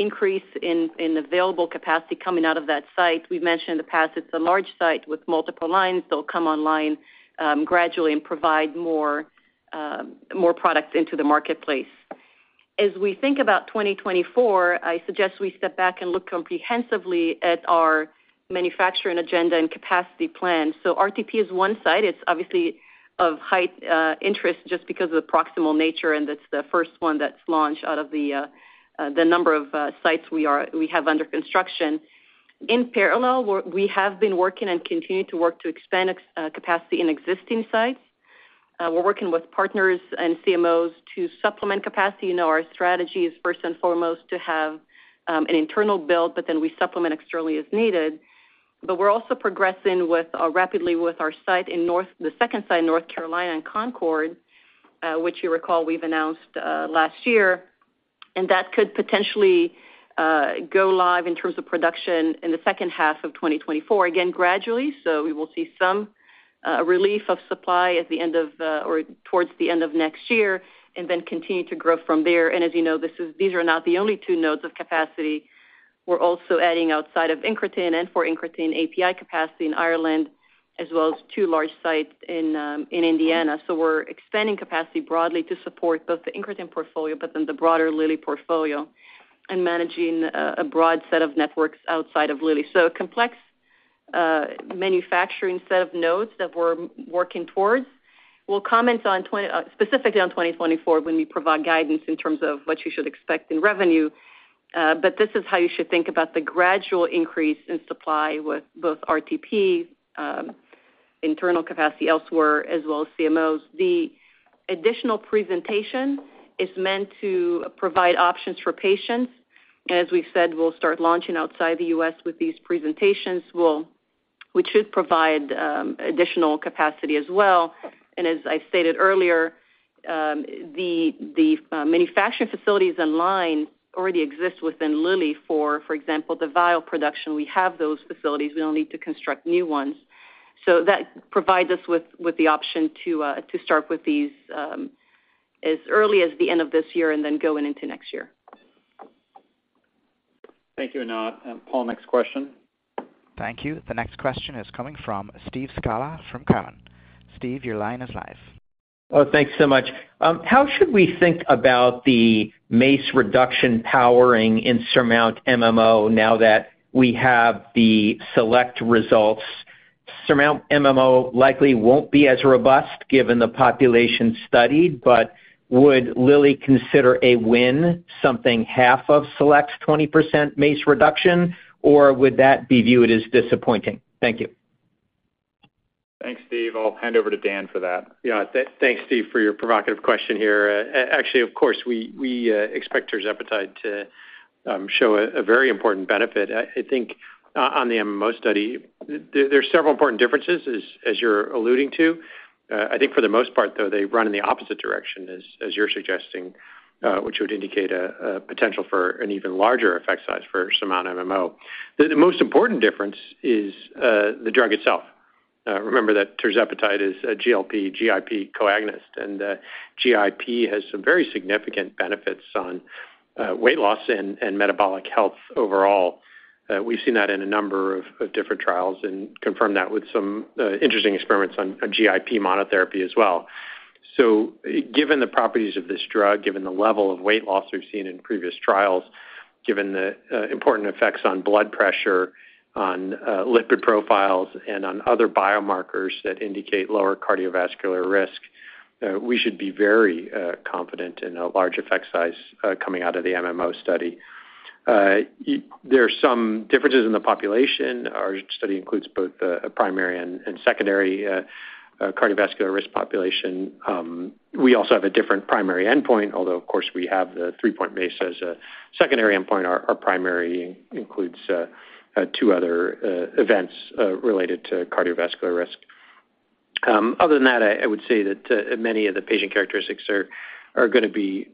increase in available capacity coming out of that site. We've mentioned in the past, it's a large site with multiple lines. They'll come online, gradually and provide more products into the marketplace. As we think about 2024, I suggest we step back and look comprehensively at our manufacturing agenda and capacity plan. RTP is one site. It's obviously of high interest just because of the proximal nature, and it's the first one that's launched out of the number of sites we have under construction. In parallel, we have been working and continue to work to expand capacity in existing sites. We're working with partners and CMOs to supplement capacity. You know, our strategy is first and foremost to have an internal build, but then we supplement externally as needed. We're also progressing rapidly with our site in North, the second site in North Carolina, in Concord, which you recall we've announced last year. That could potentially go live in terms of production in the second half of 2024. Gradually, we will see some relief of supply at the end of the, or towards the end of next year, and then continue to grow from there. As you know, these are not the only 2 nodes of capacity. We're also adding outside of incretin and for incretin API capacity in Ireland, as well as 2 large sites in Indiana. We're expanding capacity broadly to support both the incretin portfolio, but then the broader Lilly portfolio, and managing a broad set of networks outside of Lilly. A complex manufacturing set of nodes that we're working towards. We'll comment specifically on 2024 when we provide guidance in terms of what you should expect in revenue. This is how you should think about the gradual increase in supply with both RTP, internal capacity elsewhere, as well as CMOs. The additional presentation is meant to provide options for patients, and as we've said, we'll start launching outside the U.S. with these presentations. Which should provide additional capacity as well. As I stated earlier, manufacturing facilities in line already exist within Lilly, for example, the vial production. We have those facilities. We don't need to construct new ones. That provides us with the option to start with these as early as the end of this year and then going into next year. Thank you, Anat. Paul, next question. Thank you. The next question is coming from Steve Scala from Cowen. Steve, your line is live. Oh, thanks so much. How should we think about the MACE reduction powering in SURMOUNT MMO now that we have the SELECT results? SURMOUNT MMO likely won't be as robust, given the population studied, but would Lilly consider a win something half of SELECT's 20% MACE reduction, or would that be viewed as disappointing? Thank you. Thanks, Steve. I'll hand over to Dan for that. Yeah. Thanks, Steve, for your provocative question here. Actually, of course, we, we expect tirzepatide to show a very important benefit. I, I think on the MMO study, there, there's several important differences, as, as you're alluding to. I think for the most part, though, they run in the opposite direction as, as you're suggesting, which would indicate a potential for an even larger effect size for SURMOUNT MMO. The most important difference is the drug itself. Remember that tirzepatide is a GLP-GIP co-agonist, and GIP has some very significant benefits on weight loss and metabolic health overall. We've seen that in a number of different trials and confirmed that with some interesting experiments on a GIP monotherapy as well. Given the properties of this drug, given the level of weight loss we've seen in previous trials, given the important effects on blood pressure, on lipid profiles, and on other biomarkers that indicate lower cardiovascular risk, we should be very confident in a large effect size coming out of the MMO study. There are some differences in the population. Our study includes both a primary and secondary cardiovascular risk population. We also have a different primary endpoint, although, of course, we have the 3-point MACE as a secondary endpoint. Our primary includes 2 other events related to cardiovascular risk. Other than that, I would say that many of the patient characteristics are gonna be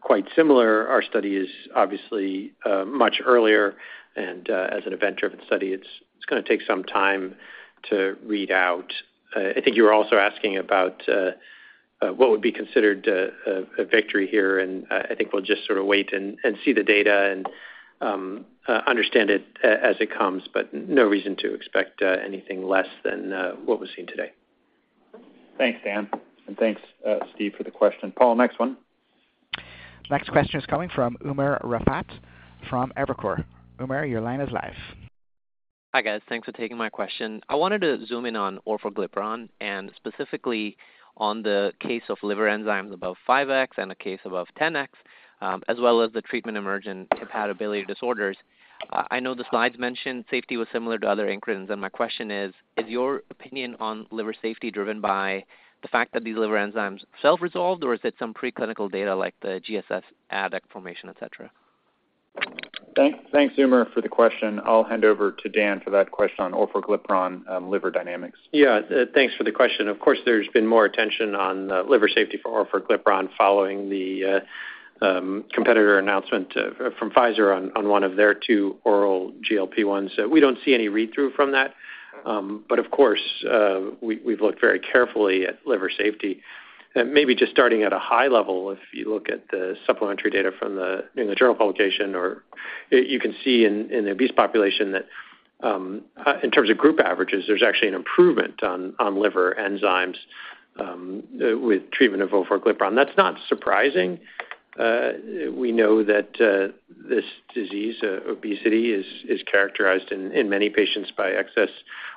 quite similar. Our study is obviously much earlier, and as an event-driven study, it's, it's gonna take some time to read out. I think you were also asking about what would be considered a, a, a victory here, and I think we'll just sort of wait and, and see the data and understand it a-as it comes, but no reason to expect anything less than what was seen today. Thanks, Dan, and thanks, Steve, for the question. Paul, next one. Next question is coming from Umer Raffat from Evercore. Umar, your line is live. Hi, guys. Thanks for taking my question. I wanted to zoom in on orforglipron, and specifically on the case of liver enzymes above 5x and a case above 10x, as well as the treatment-emergent hepatobiliary disorders. I know the slides mentioned safety was similar to other incretins, and my question is: Is your opinion on liver safety driven by the fact that these liver enzymes self-resolved, or is it some preclinical data like the GSH adduct formation, et cetera? Thanks, Umer, for the question. I'll hand over to Dan for that question on orforglipron liver dynamics. Yeah, thanks for the question. Of course, there's been more attention on liver safety for orforglipron following the competitor announcement from Pfizer on one of their two oral GLP-1s. We don't see any read-through from that. Of course, we, we've looked very carefully at liver safety. Maybe just starting at a high level, if you look at the supplementary data from the, in the journal publication, or you can see in, in the obese population that in terms of group averages, there's actually an improvement on liver enzymes with treatment of orforglipron. That's not surprising. We know that this disease, obesity, is, is characterized in, in many patients by excess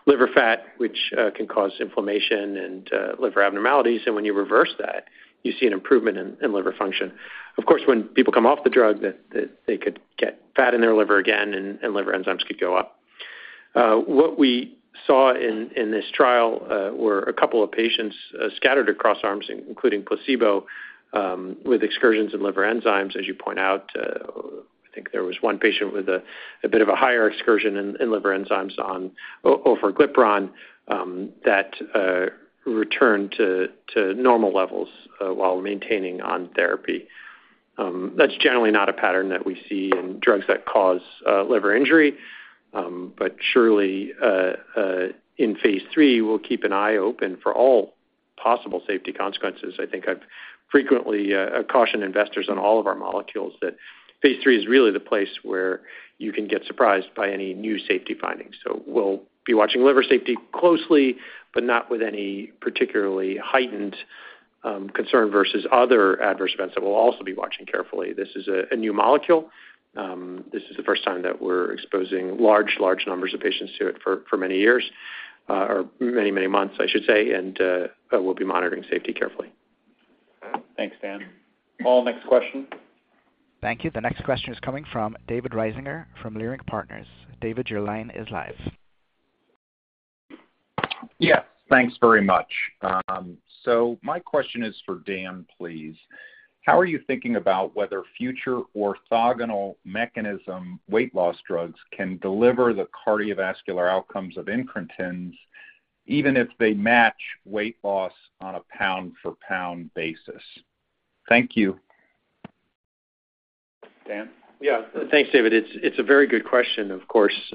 liver fat, which can cause inflammation and liver abnormalities, and when you reverse that, you see an improvement in, in liver function. Of course, when people come off the drug, the, the, they could get fat in their liver again, and, and liver enzymes could go up. What we saw in, in this trial, were a couple of patients scattered across arms, including placebo, with excursions in liver enzymes, as you point out. I think there was one patient with a, a bit of a higher excursion in, in liver enzymes on orforglipron, that returned to, to normal levels, while maintaining on therapy. That's generally not a pattern that we see in drugs that cause liver injury. Surely, in phase 3, we'll keep an eye open for all possible safety consequences. I think I've frequently cautioned investors on all of our molecules that phase 3 is really the place where you can get surprised by any new safety findings. We'll be watching liver safety closely, but not with any particularly heightened concern versus other adverse events that we'll also be watching carefully. This is a new molecule. This is the first time that we're exposing large, large numbers of patients to it for many years, or many, many months, I should say, and we'll be monitoring safety carefully. Thanks, Dan. Paul, next question. Thank you. The next question is coming from David Risinger from Leerink Partners. David, your line is live. Yes, thanks very much. My question is for Dan, please. How are you thinking about whether future orthogonal mechanism weight loss drugs can deliver the cardiovascular outcomes of incretins, even if they match weight loss on a pound-for-pound basis? Thank you. Dan? Yeah. Thanks, David. It's, it's a very good question, of course,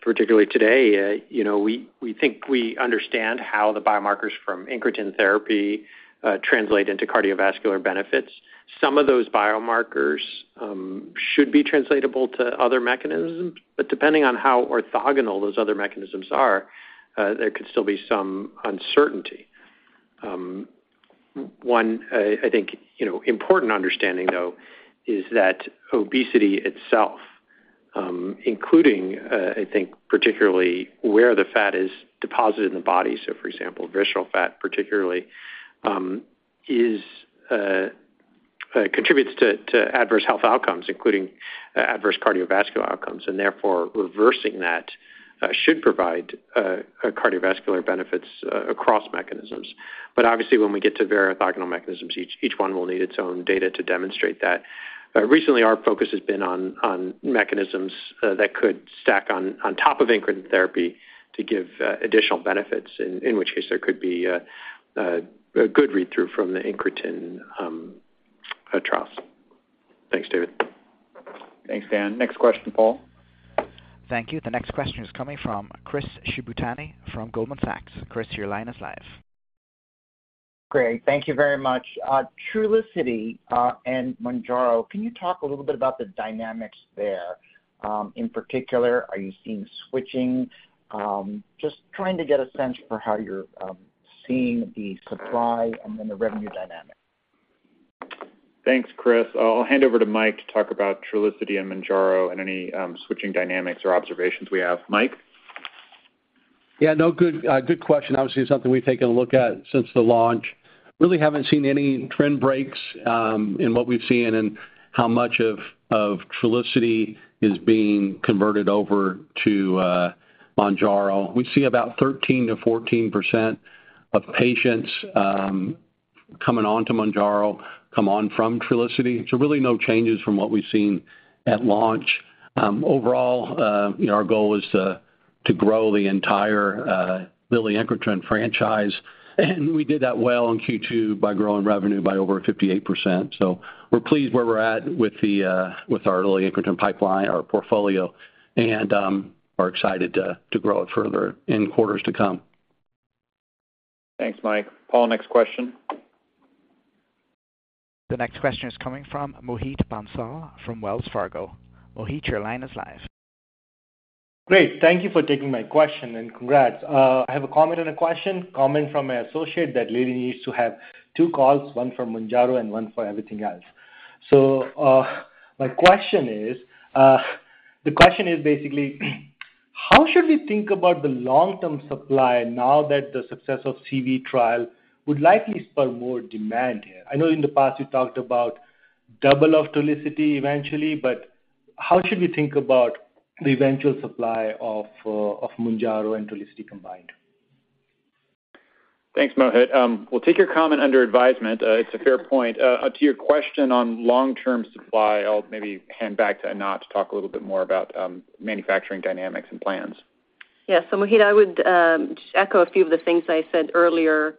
particularly today. You know, we, we think we understand how the biomarkers from incretin therapy, translate into cardiovascular benefits. Some of those biomarkers, should be translatable to other mechanisms, but depending on how orthogonal those other mechanisms are, there could still be some uncertainty. One, I think, you know, important understanding, though, is that obesity itself, including, I think particularly where the fat is deposited in the body, so for example, visceral fat particularly, is, contributes to, to adverse health outcomes, including adverse cardiovascular outcomes, and therefore, reversing that, should provide, a cardiovascular benefits across mechanisms. Obviously, when we get to very orthogonal mechanisms, each, each one will need its own data to demonstrate that. Recently, our focus has been on mechanisms that could stack on top of incretin therapy to give additional benefits, in which case there could be a good read-through from the incretin trials. Thanks, David. Thanks, Dan. Next question, Paul. Thank you. The next question is coming from Chris Shibutani from Goldman Sachs. Chris, your line is live. Great. Thank you very much. Trulicity and Mounjaro, can you talk a little bit about the dynamics there? In particular, are you seeing switching? Just trying to get a sense for how you're seeing the supply and then the revenue dynamic. Thanks, Chris. I'll hand over to Mike to talk about Trulicity and Mounjaro and any switching dynamics or observations we have. Mike? Yeah, no, good, good question. Obviously, something we've taken a look at since the launch. Really haven't seen any trend breaks in what we've seen and how much of, of Trulicity is being converted over to Mounjaro. We see about 13%-14% of patients coming on to Mounjaro, come on from Trulicity. Really no changes from what we've seen at launch. Overall, you know, our goal is to, to grow the entire Lilly incretin franchise, and we did that well in Q2 by growing revenue by over 58%. We're pleased where we're at with the with our Lilly incretin pipeline, our portfolio, and are excited to, to grow it further in quarters to come. Thanks, Mike. Paul, next question. The next question is coming from Mohit Bansal from Wells Fargo. Mohit, your line is live. Great. Thank you for taking my question. Congrats. I have a comment and a question. Comment from my associate that Lilly needs to have two calls, one for Mounjaro and one for everything else. My question is, the question is basically, how should we think about the long-term supply now that the success of CV trial would likely spur more demand here? I know in the past, you talked about double of Trulicity eventually. How should we think about the eventual supply of Mounjaro and Trulicity combined? Thanks, Mohit. We'll take your comment under advisement. It's a fair point. To your question on long-term supply, I'll maybe hand back to Anat to talk a little bit more about manufacturing dynamics and plans. Yes. Mohit, I would echo a few of the things I said earlier.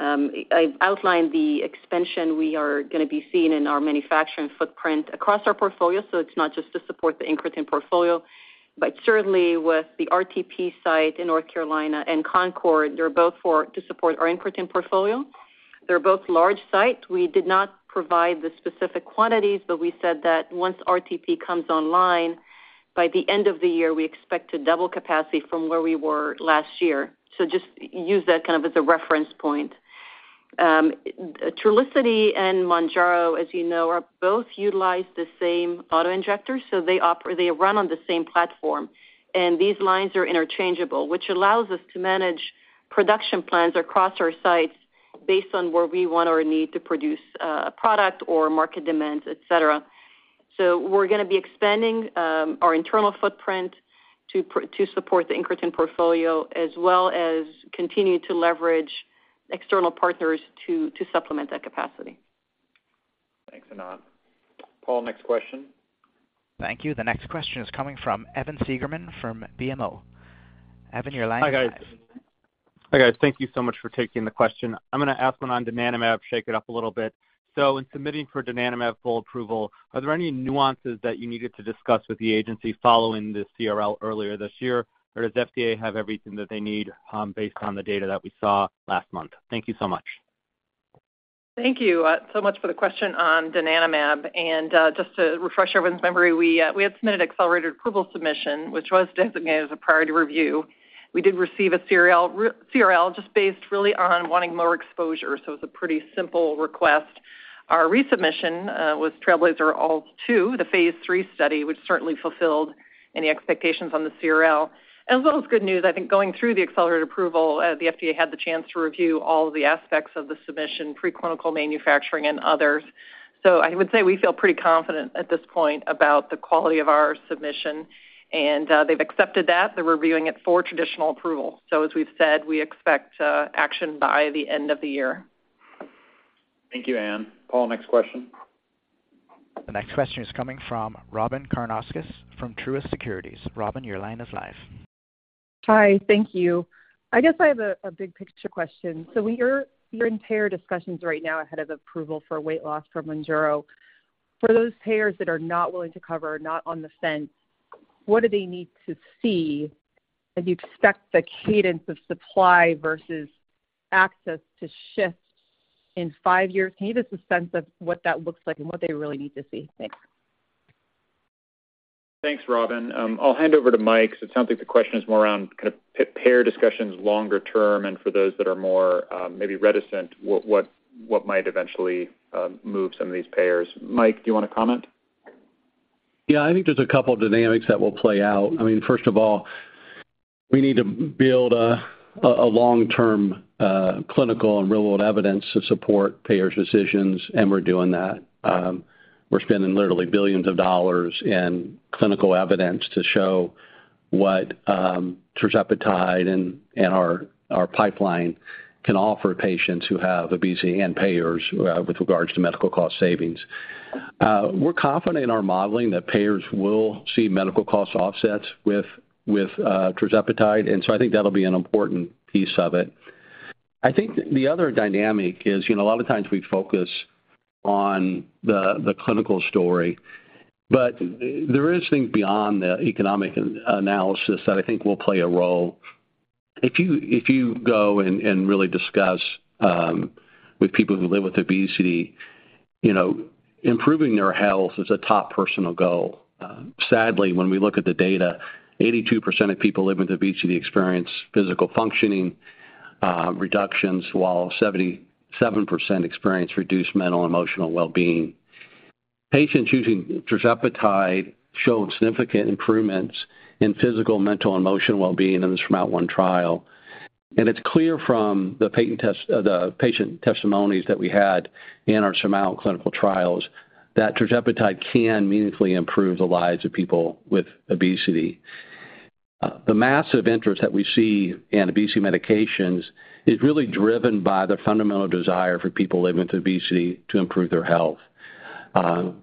I outlined the expansion we are gonna be seeing in our manufacturing footprint across our portfolio, so it's not just to support the incretin portfolio, but certainly with the RTP site in North Carolina and Concord, they're both for, to support our incretin portfolio. They're both large sites. We did not provide the specific quantities, but we said that once RTP comes online, by the end of the year, we expect to double capacity from where we were last year. Just use that kind of as a reference point. Trulicity and Mounjaro, as you know, are both utilize the same auto injector, so they run on the same platform, and these lines are interchangeable, which allows us to manage production plans across our sites.... based on where we want or need to produce a product or market demand, et cetera. We're going to be expanding our internal footprint to support the incretin portfolio, as well as continue to leverage external partners to supplement that capacity. Thanks, Anat. Paul, next question. Thank you. The next question is coming from Evan Segerman from BMO. Evan, your line is- Hi, guys. Hi, guys. Thank you so much for taking the question. I'm going to ask one on donanemab, shake it up a little bit. In submitting for donanemab full approval, are there any nuances that you needed to discuss with the agency following the CRL earlier this year? Does FDA have everything that they need, based on the data that we saw last month? Thank you so much. Thank you so much for the question on donanemab. Just to refresh everyone's memory, we had submitted accelerated approval submission, which was designated as a priority review. We did receive a CRL, CRL, just based really on wanting more exposure. It was a pretty simple request. Our resubmission was TRAILBLAZER-ALZ 2, the phase 3 study, which certainly fulfilled any expectations on the CRL. As well as good news, I think going through the accelerated approval, the FDA had the chance to review all the aspects of the submission, preclinical manufacturing, and others. I would say we feel pretty confident at this point about the quality of our submission, and they've accepted that. They're reviewing it for traditional approval. As we've said, we expect action by the end of the year. Thank you, Anne. Paul, next question. The next question is coming from Robyn Karnauskas from Truist Securities. Robyn, your line is live. Hi, thank you. I guess I have a big-picture question. When you're in payer discussions right now ahead of approval for weight loss from Mounjaro, for those payers that are not willing to cover, not on the fence, what do they need to see? Do you expect the cadence of supply versus access to shift in five years? Can you give us a sense of what that looks like and what they really need to see? Thanks. Thanks, Robyn. I'll hand over to Mike, because it sounds like the question is more around kind of payer discussions longer term, and for those that are more, maybe reticent, what, what, what might eventually, move some of these payers. Mike, do you want to comment? Yeah, I think there's a couple of dynamics that will play out. I mean, first of all, we need to build a long-term clinical and real-world evidence to support payers' decisions. We're doing that. We're spending literally billions of dollars in clinical evidence to show what tirzepatide and our pipeline can offer patients who have obesity and payers with regards to medical cost savings. We're confident in our modeling that payers will see medical cost offsets with tirzepatide. So I think that'll be an important piece of it. I think the other dynamic is, you know, a lot of times we focus on the clinical story, but there is things beyond the economic analysis that I think will play a role. If you, if you go and, and really discuss, with people who live with obesity, you know, improving their health is a top personal goal. Sadly, when we look at the data, 82% of people living with obesity experience physical functioning, reductions, while 77% experience reduced mental and emotional well-being. Patients using tirzepatide showed significant improvements in physical, mental, and emotional well-being in the SURMOUNT-1 trial. It's clear from the patient testimonies that we had in our SURMOUNT clinical trials, that tirzepatide can meaningfully improve the lives of people with obesity. The massive interest that we see in obesity medications is really driven by the fundamental desire for people living with obesity to improve their health.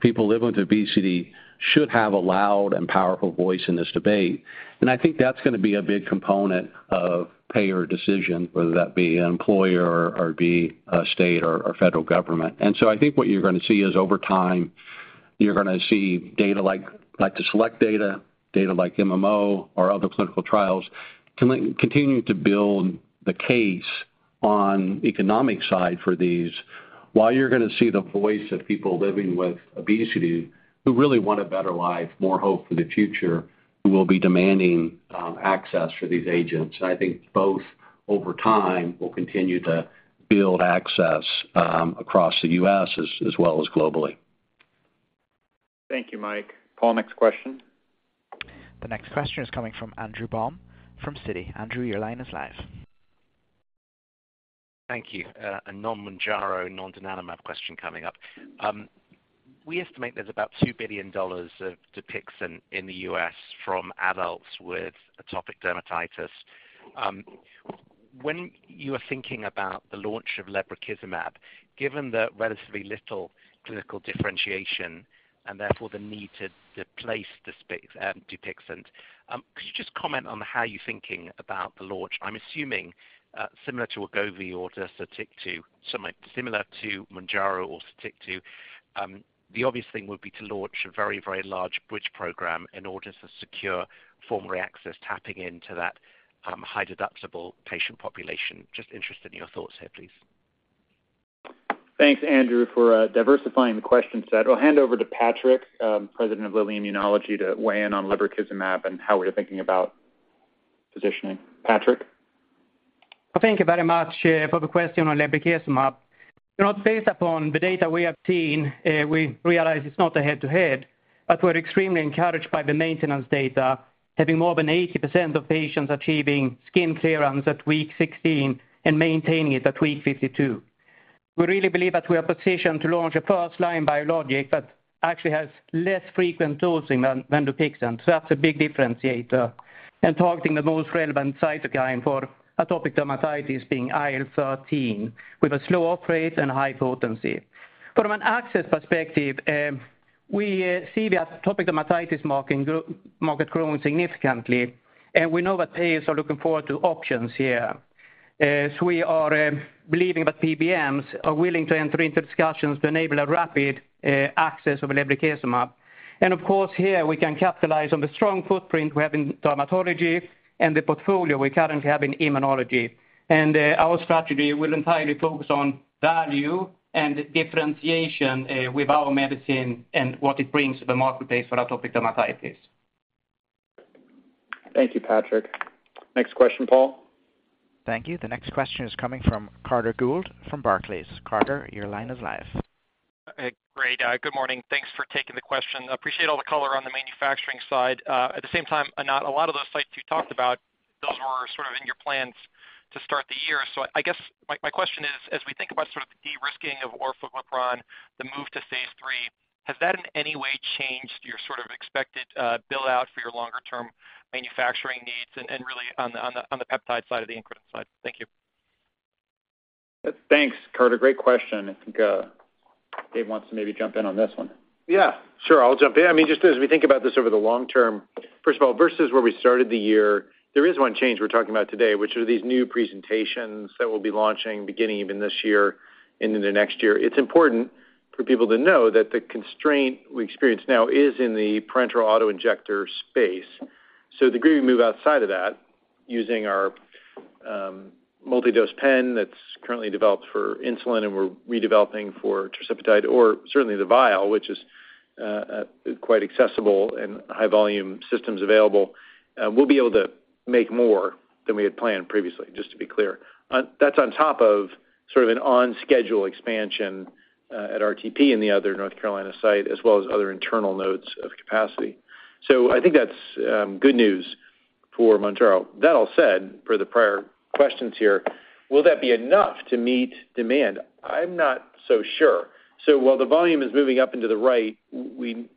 People living with obesity should have a loud and powerful voice in this debate, and I think that's going to be a big component of payer decision, whether that be an employer or be a state or, or federal government. I think what you're going to see is over time, you're going to see data like, like the SELECT data, data like MMO or other clinical trials, continuing to build the case on economic side for these, while you're going to see the voice of people living with obesity who really want a better life, more hope for the future, who will be demanding access for these agents. I think both over time, will continue to build access across the U.S. as well as globally. Thank you, Mike. Paul, next question. The next question is coming from Andrew Baum from Citi. Andrew, your line is live. Thank you. A non-Mounjaro, non-donanemab question coming up. We estimate there's about $2 billion of Dupixent in the US from adults with atopic dermatitis. When you are thinking about the launch of lebrikizumab, given the relatively little clinical differentiation and therefore the need to replace this Dupixent, could you just comment on how you're thinking about the launch? I'm assuming similar to Wegovy or Dupixent, something similar to Mounjaro or Dupixent, the obvious thing would be to launch a very, very large bridge program in order to secure former access, tapping into that high-deductible patient population. Just interested in your thoughts here, please. Thanks, Andrew, for diversifying the question set. I'll hand over to Patrick, President of Lilly Immunology, to weigh in on lebrikizumab and how we're thinking about positioning. Patrick? Well, thank you very much for the question on lebrikizumab. You're not based upon the data we have seen, we realize it's not a head-to-head, we're extremely encouraged by the maintenance data, having more than 80% of patients achieving skin clearance at week 16 and maintaining it at week 52. We really believe that we are positioned to launch a first-line biologic that actually has less frequent dosing than, than Dupixent. That's a big differentiator, targeting the most relevant cytokine for atopic dermatitis being IL-13, with a slow off rate and high potency. From an access perspective, we see the atopic dermatitis market growing significantly, we know that patients are looking forward to options here. We are believing that PBMs are willing to enter into discussions to enable a rapid access of lebrikizumab. Of course, here we can capitalize on the strong footprint we have in dermatology and the portfolio we currently have in immunology. Our strategy will entirely focus on value and differentiation with our medicine and what it brings to the marketplace for atopic dermatitis. Thank you, Patrik. Next question, Paul. Thank you. The next question is coming from Carter Gould from Barclays. Carter, your line is live. Great. Good morning. Thanks for taking the question. Appreciate all the color on the manufacturing side. At the same time, not a lot of those sites you talked about, those were sort of in your plans to start the year. I guess my, my question is, as we think about sort of the de-risking of orforglipron, the move to phase 3, has that in any way changed your sort of expected build-out for your longer-term manufacturing needs and, and really on the, on the, on the peptide side of the incretin side? Thank you. Thanks, Carter. Great question. I think, Dave wants to maybe jump in on this one. Sure. I'll jump in. I mean, just as we think about this over the long term, first of all, versus where we started the year, there is one change we're talking about today, which are these new presentations that we'll be launching beginning even this year into the next year. It's important for people to know that the constraint we experience now is in the parenteral auto-injector space. The degree we move outside of that, using our multi-dose pen that's currently developed for insulin and we're redeveloping for tirzepatide, or certainly the vial, which is quite accessible and high volume systems available, we'll be able to make more than we had planned previously, just to be clear. That's on top of sort of an on-schedule expansion at RTP in the other North Carolina site, as well as other internal nodes of capacity. I think that's good news for Mounjaro. That all said, for the prior questions here, will that be enough to meet demand? I'm not so sure. While the volume is moving up into the right, we,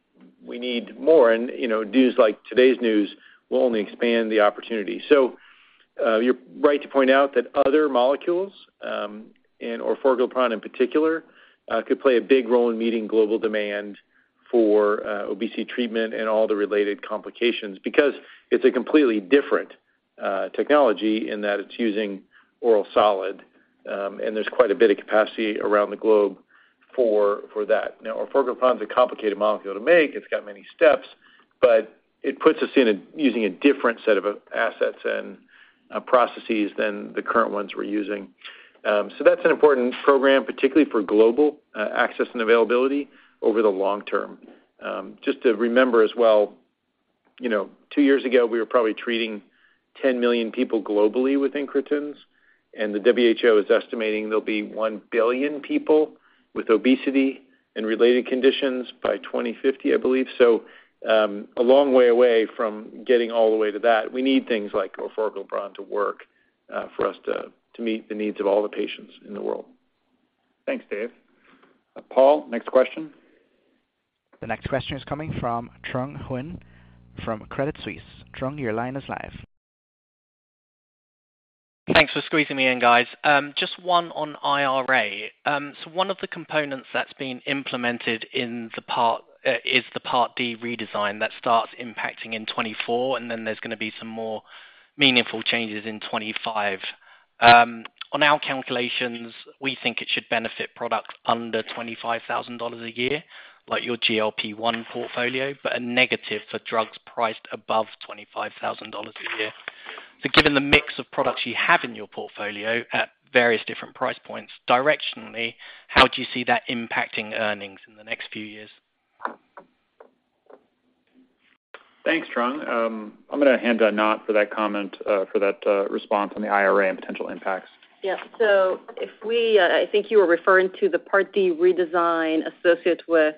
we need more, and, you know, news like today's news will only expand the opportunity. You're right to point out that other molecules, and orforglipron in particular, could play a big role in meeting global demand for obesity treatment and all the related complications, because it's a completely different technology in that it's using oral solid, and there's quite a bit of capacity around the globe for, for that. Now, orforglipron is a complicated molecule to make. It's got many steps, but it puts us in a using a different set of assets and processes than the current ones we're using. That's an important program, particularly for global access and availability over the long term. Just to remember as well, you know, two years ago, we were probably treating 10 million people globally with incretins. The WHO is estimating there'll be 1 billion people with obesity and related conditions by 2050, I believe. A long way away from getting all the way to that. We need things like orforglipron to work for us to, to meet the needs of all the patients in the world. Thanks, Dave. Paul, next question. The next question is coming from Trung Huynh from Credit Suisse. Trung, your line is live. Thanks for squeezing me in, guys. Just one on IRA. One of the components that's been implemented in the part is the Part D redesign that starts impacting in 2024, and then there's going to be some more meaningful changes in 2025. On our calculations, we think it should benefit products under $25,000 a year, like your GLP-1 portfolio, but a negative for drugs priced above $25,000 a year. Given the mix of products you have in your portfolio at various different price points, directionally, how do you see that impacting earnings in the next few years? Thanks, Trung. I'm gonna hand to Anat for that comment, for that response on the IRA and potential impacts. Yeah. If we, I think you were referring to the Part D redesign associated with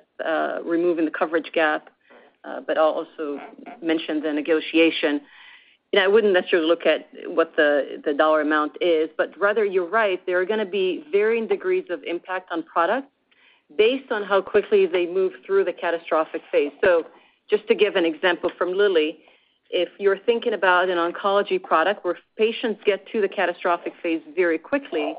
removing the coverage gap, I'll also mention the negotiation. I wouldn't necessarily look at what the, the dollar amount is, but rather, you're right, there are gonna be varying degrees of impact on products based on how quickly they move through the catastrophic phase. Just to give an example from Lilly, if you're thinking about an oncology product where patients get to the catastrophic phase very quickly,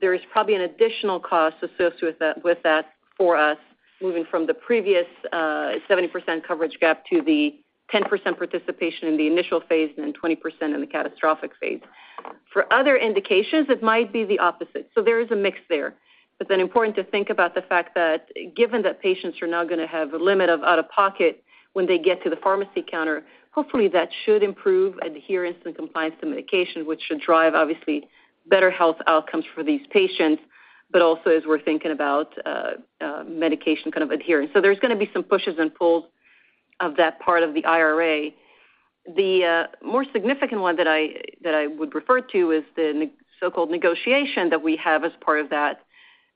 there is probably an additional cost associated with that, with that for us, moving from the previous 70% coverage gap to the 10% participation in the initial phase and then 20% in the catastrophic phase. For other indications, it might be the opposite. There is a mix there. Important to think about the fact that given that patients are now gonna have a limit of out-of-pocket when they get to the pharmacy counter, hopefully, that should improve adherence and compliance to medication, which should drive, obviously, better health outcomes for these patients, but also as we're thinking about medication kind of adherence. There's gonna be some pushes and pulls of that part of the IRA. The more significant one that I, that I would refer to is the so-called negotiation that we have as part of that,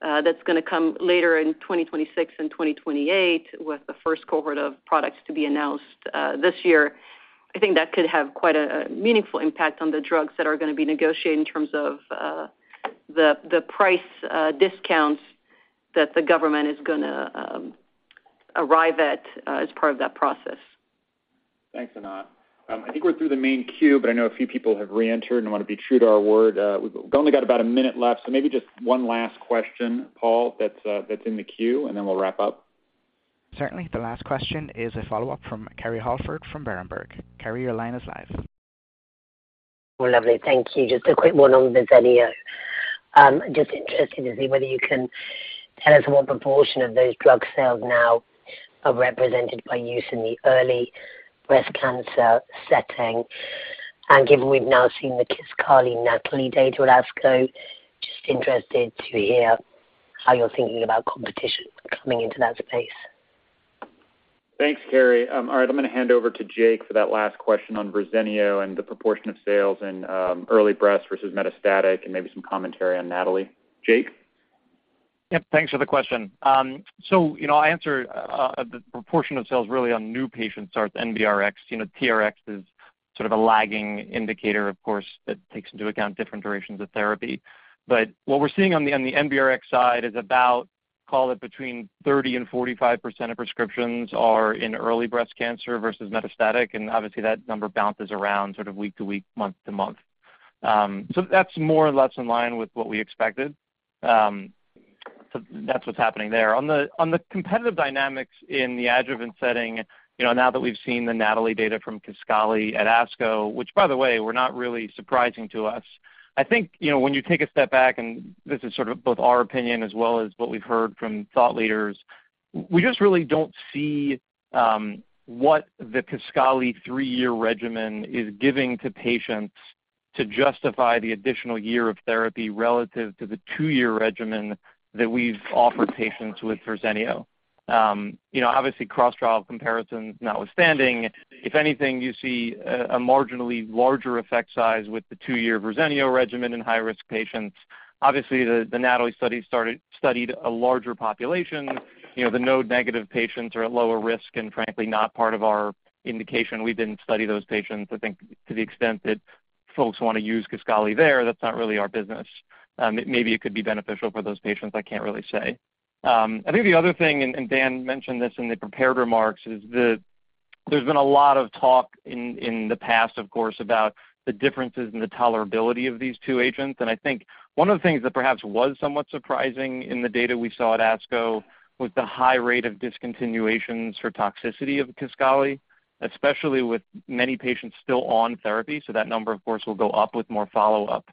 that's gonna come later in 2026 and 2028, with the first cohort of products to be announced this year. I think that could have quite a meaningful impact on the drugs that are gonna be negotiated in terms of the price discounts that the government is gonna arrive at as part of that process. Thanks, Anat. I think we're through the main queue, but I know a few people have reentered and wanna be true to our word. We've only got about a minute left, so maybe just one last question, Paul, that's in the queue, and then we'll wrap up. Certainly. The last question is a follow-up from Kerry Holford from Berenberg. Kerry, your line is live. Well, lovely. Thank you. Just a quick one on Verzenio. Just interested to see whether you can tell us what proportion of those drug sales now are represented by use in the early breast cancer setting. Given we've now seen the Kisqali NATALEE data at ASCO, just interested to hear how you're thinking about competition coming into that space. Thanks, Kerry. All right, I'm gonna hand over to Jake for that last question on Verzenio and the proportion of sales and early breast versus metastatic, and maybe some commentary on NATALEE. Jake? Yep, thanks for the question. You know, I answer, the proportion of sales really on new patients starts NBRx. You know, TRX is sort of a lagging indicator, of course, that takes into account different durations of therapy. What we're seeing on the, on the NBRx side is about, call it, between 30% and 45% of prescriptions are in early breast cancer versus metastatic, and obviously, that number bounces around sort of week to week, month to month. That's more or less in line with what we expected. That's what's happening there. On the, on the competitive dynamics in the adjuvant setting, you know, now that we've seen the NATALEE data from Kisqali at ASCO, which, by the way, were not really surprising to us. I think, you know, when you take a step back, and this is sort of both our opinion as well as what we've heard from thought leaders, we just really don't see what the Kisqali 3-year regimen is giving to patients to justify the additional year of therapy relative to the 2-year regimen that we've offered patients with Verzenio. You know, obviously, cross-trial comparisons notwithstanding, if anything, you see a marginally larger effect size with the 2-year Verzenio regimen in high-risk patients. Obviously, the NATALEE study studied a larger population. You know, the node-negative patients are at lower risk and frankly not part of our indication. We didn't study those patients. I think to the extent that folks wanna use Kisqali there, that's not really our business. Maybe it could be beneficial for those patients, I can't really say. I think the other thing, and Dan mentioned this in the prepared remarks, is that there's been a lot of talk in the past, of course, about the differences in the tolerability of these two agents. I think one of the things that perhaps was somewhat surprising in the data we saw at ASCO was the high rate of discontinuations for toxicity of Kisqali, especially with many patients still on therapy, so that number, of course, will go up with more follow-up.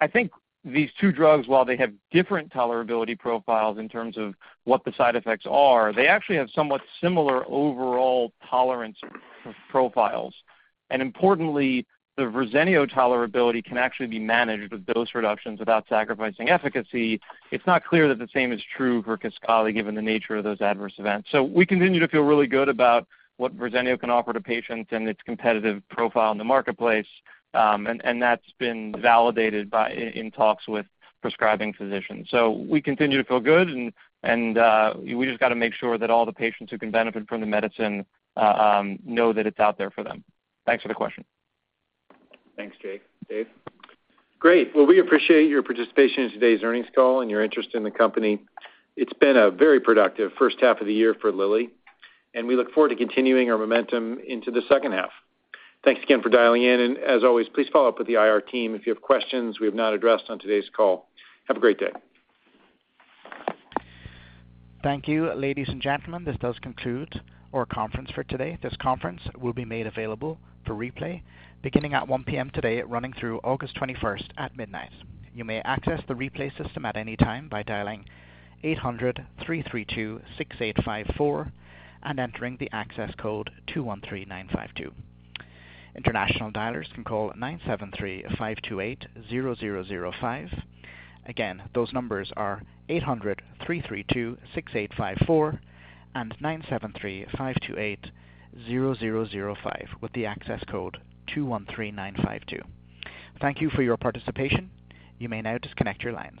I think these two drugs, while they have different tolerability profiles in terms of what the side effects are, they actually have somewhat similar overall tolerance profiles. Importantly, the Verzenio tolerability can actually be managed with dose reductions without sacrificing efficacy. It's not clear that the same is true for Kisqali, given the nature of those adverse events. We continue to feel really good about what Verzenio can offer to patients and its competitive profile in the marketplace, and that's been validated by, in talks with prescribing physicians. We continue to feel good, and we just gotta make sure that all the patients who can benefit from the medicine, know that it's out there for them. Thanks for the question. Thanks, Jake. Dave? Great. Well, we appreciate your participation in today's earnings call and your interest in the company. It's been a very productive first half of the year for Lilly, and we look forward to continuing our momentum into the second half. Thanks again for dialing in, and as always, please follow up with the IR team if you have questions we have not addressed on today's call. Have a great day. Thank you, ladies and gentlemen, this does conclude our conference for today. This conference will be made available for replay beginning at 1:00 P.M. today, running through August 21st at midnight. You may access the replay system at any time by dialing 800-332-6854 and entering the access code 213952. International dialers can call 973-528-0005. Again, those numbers are 800-332-6854 and 973-528-0005, with the access code 213952. Thank you for your participation. You may now disconnect your lines.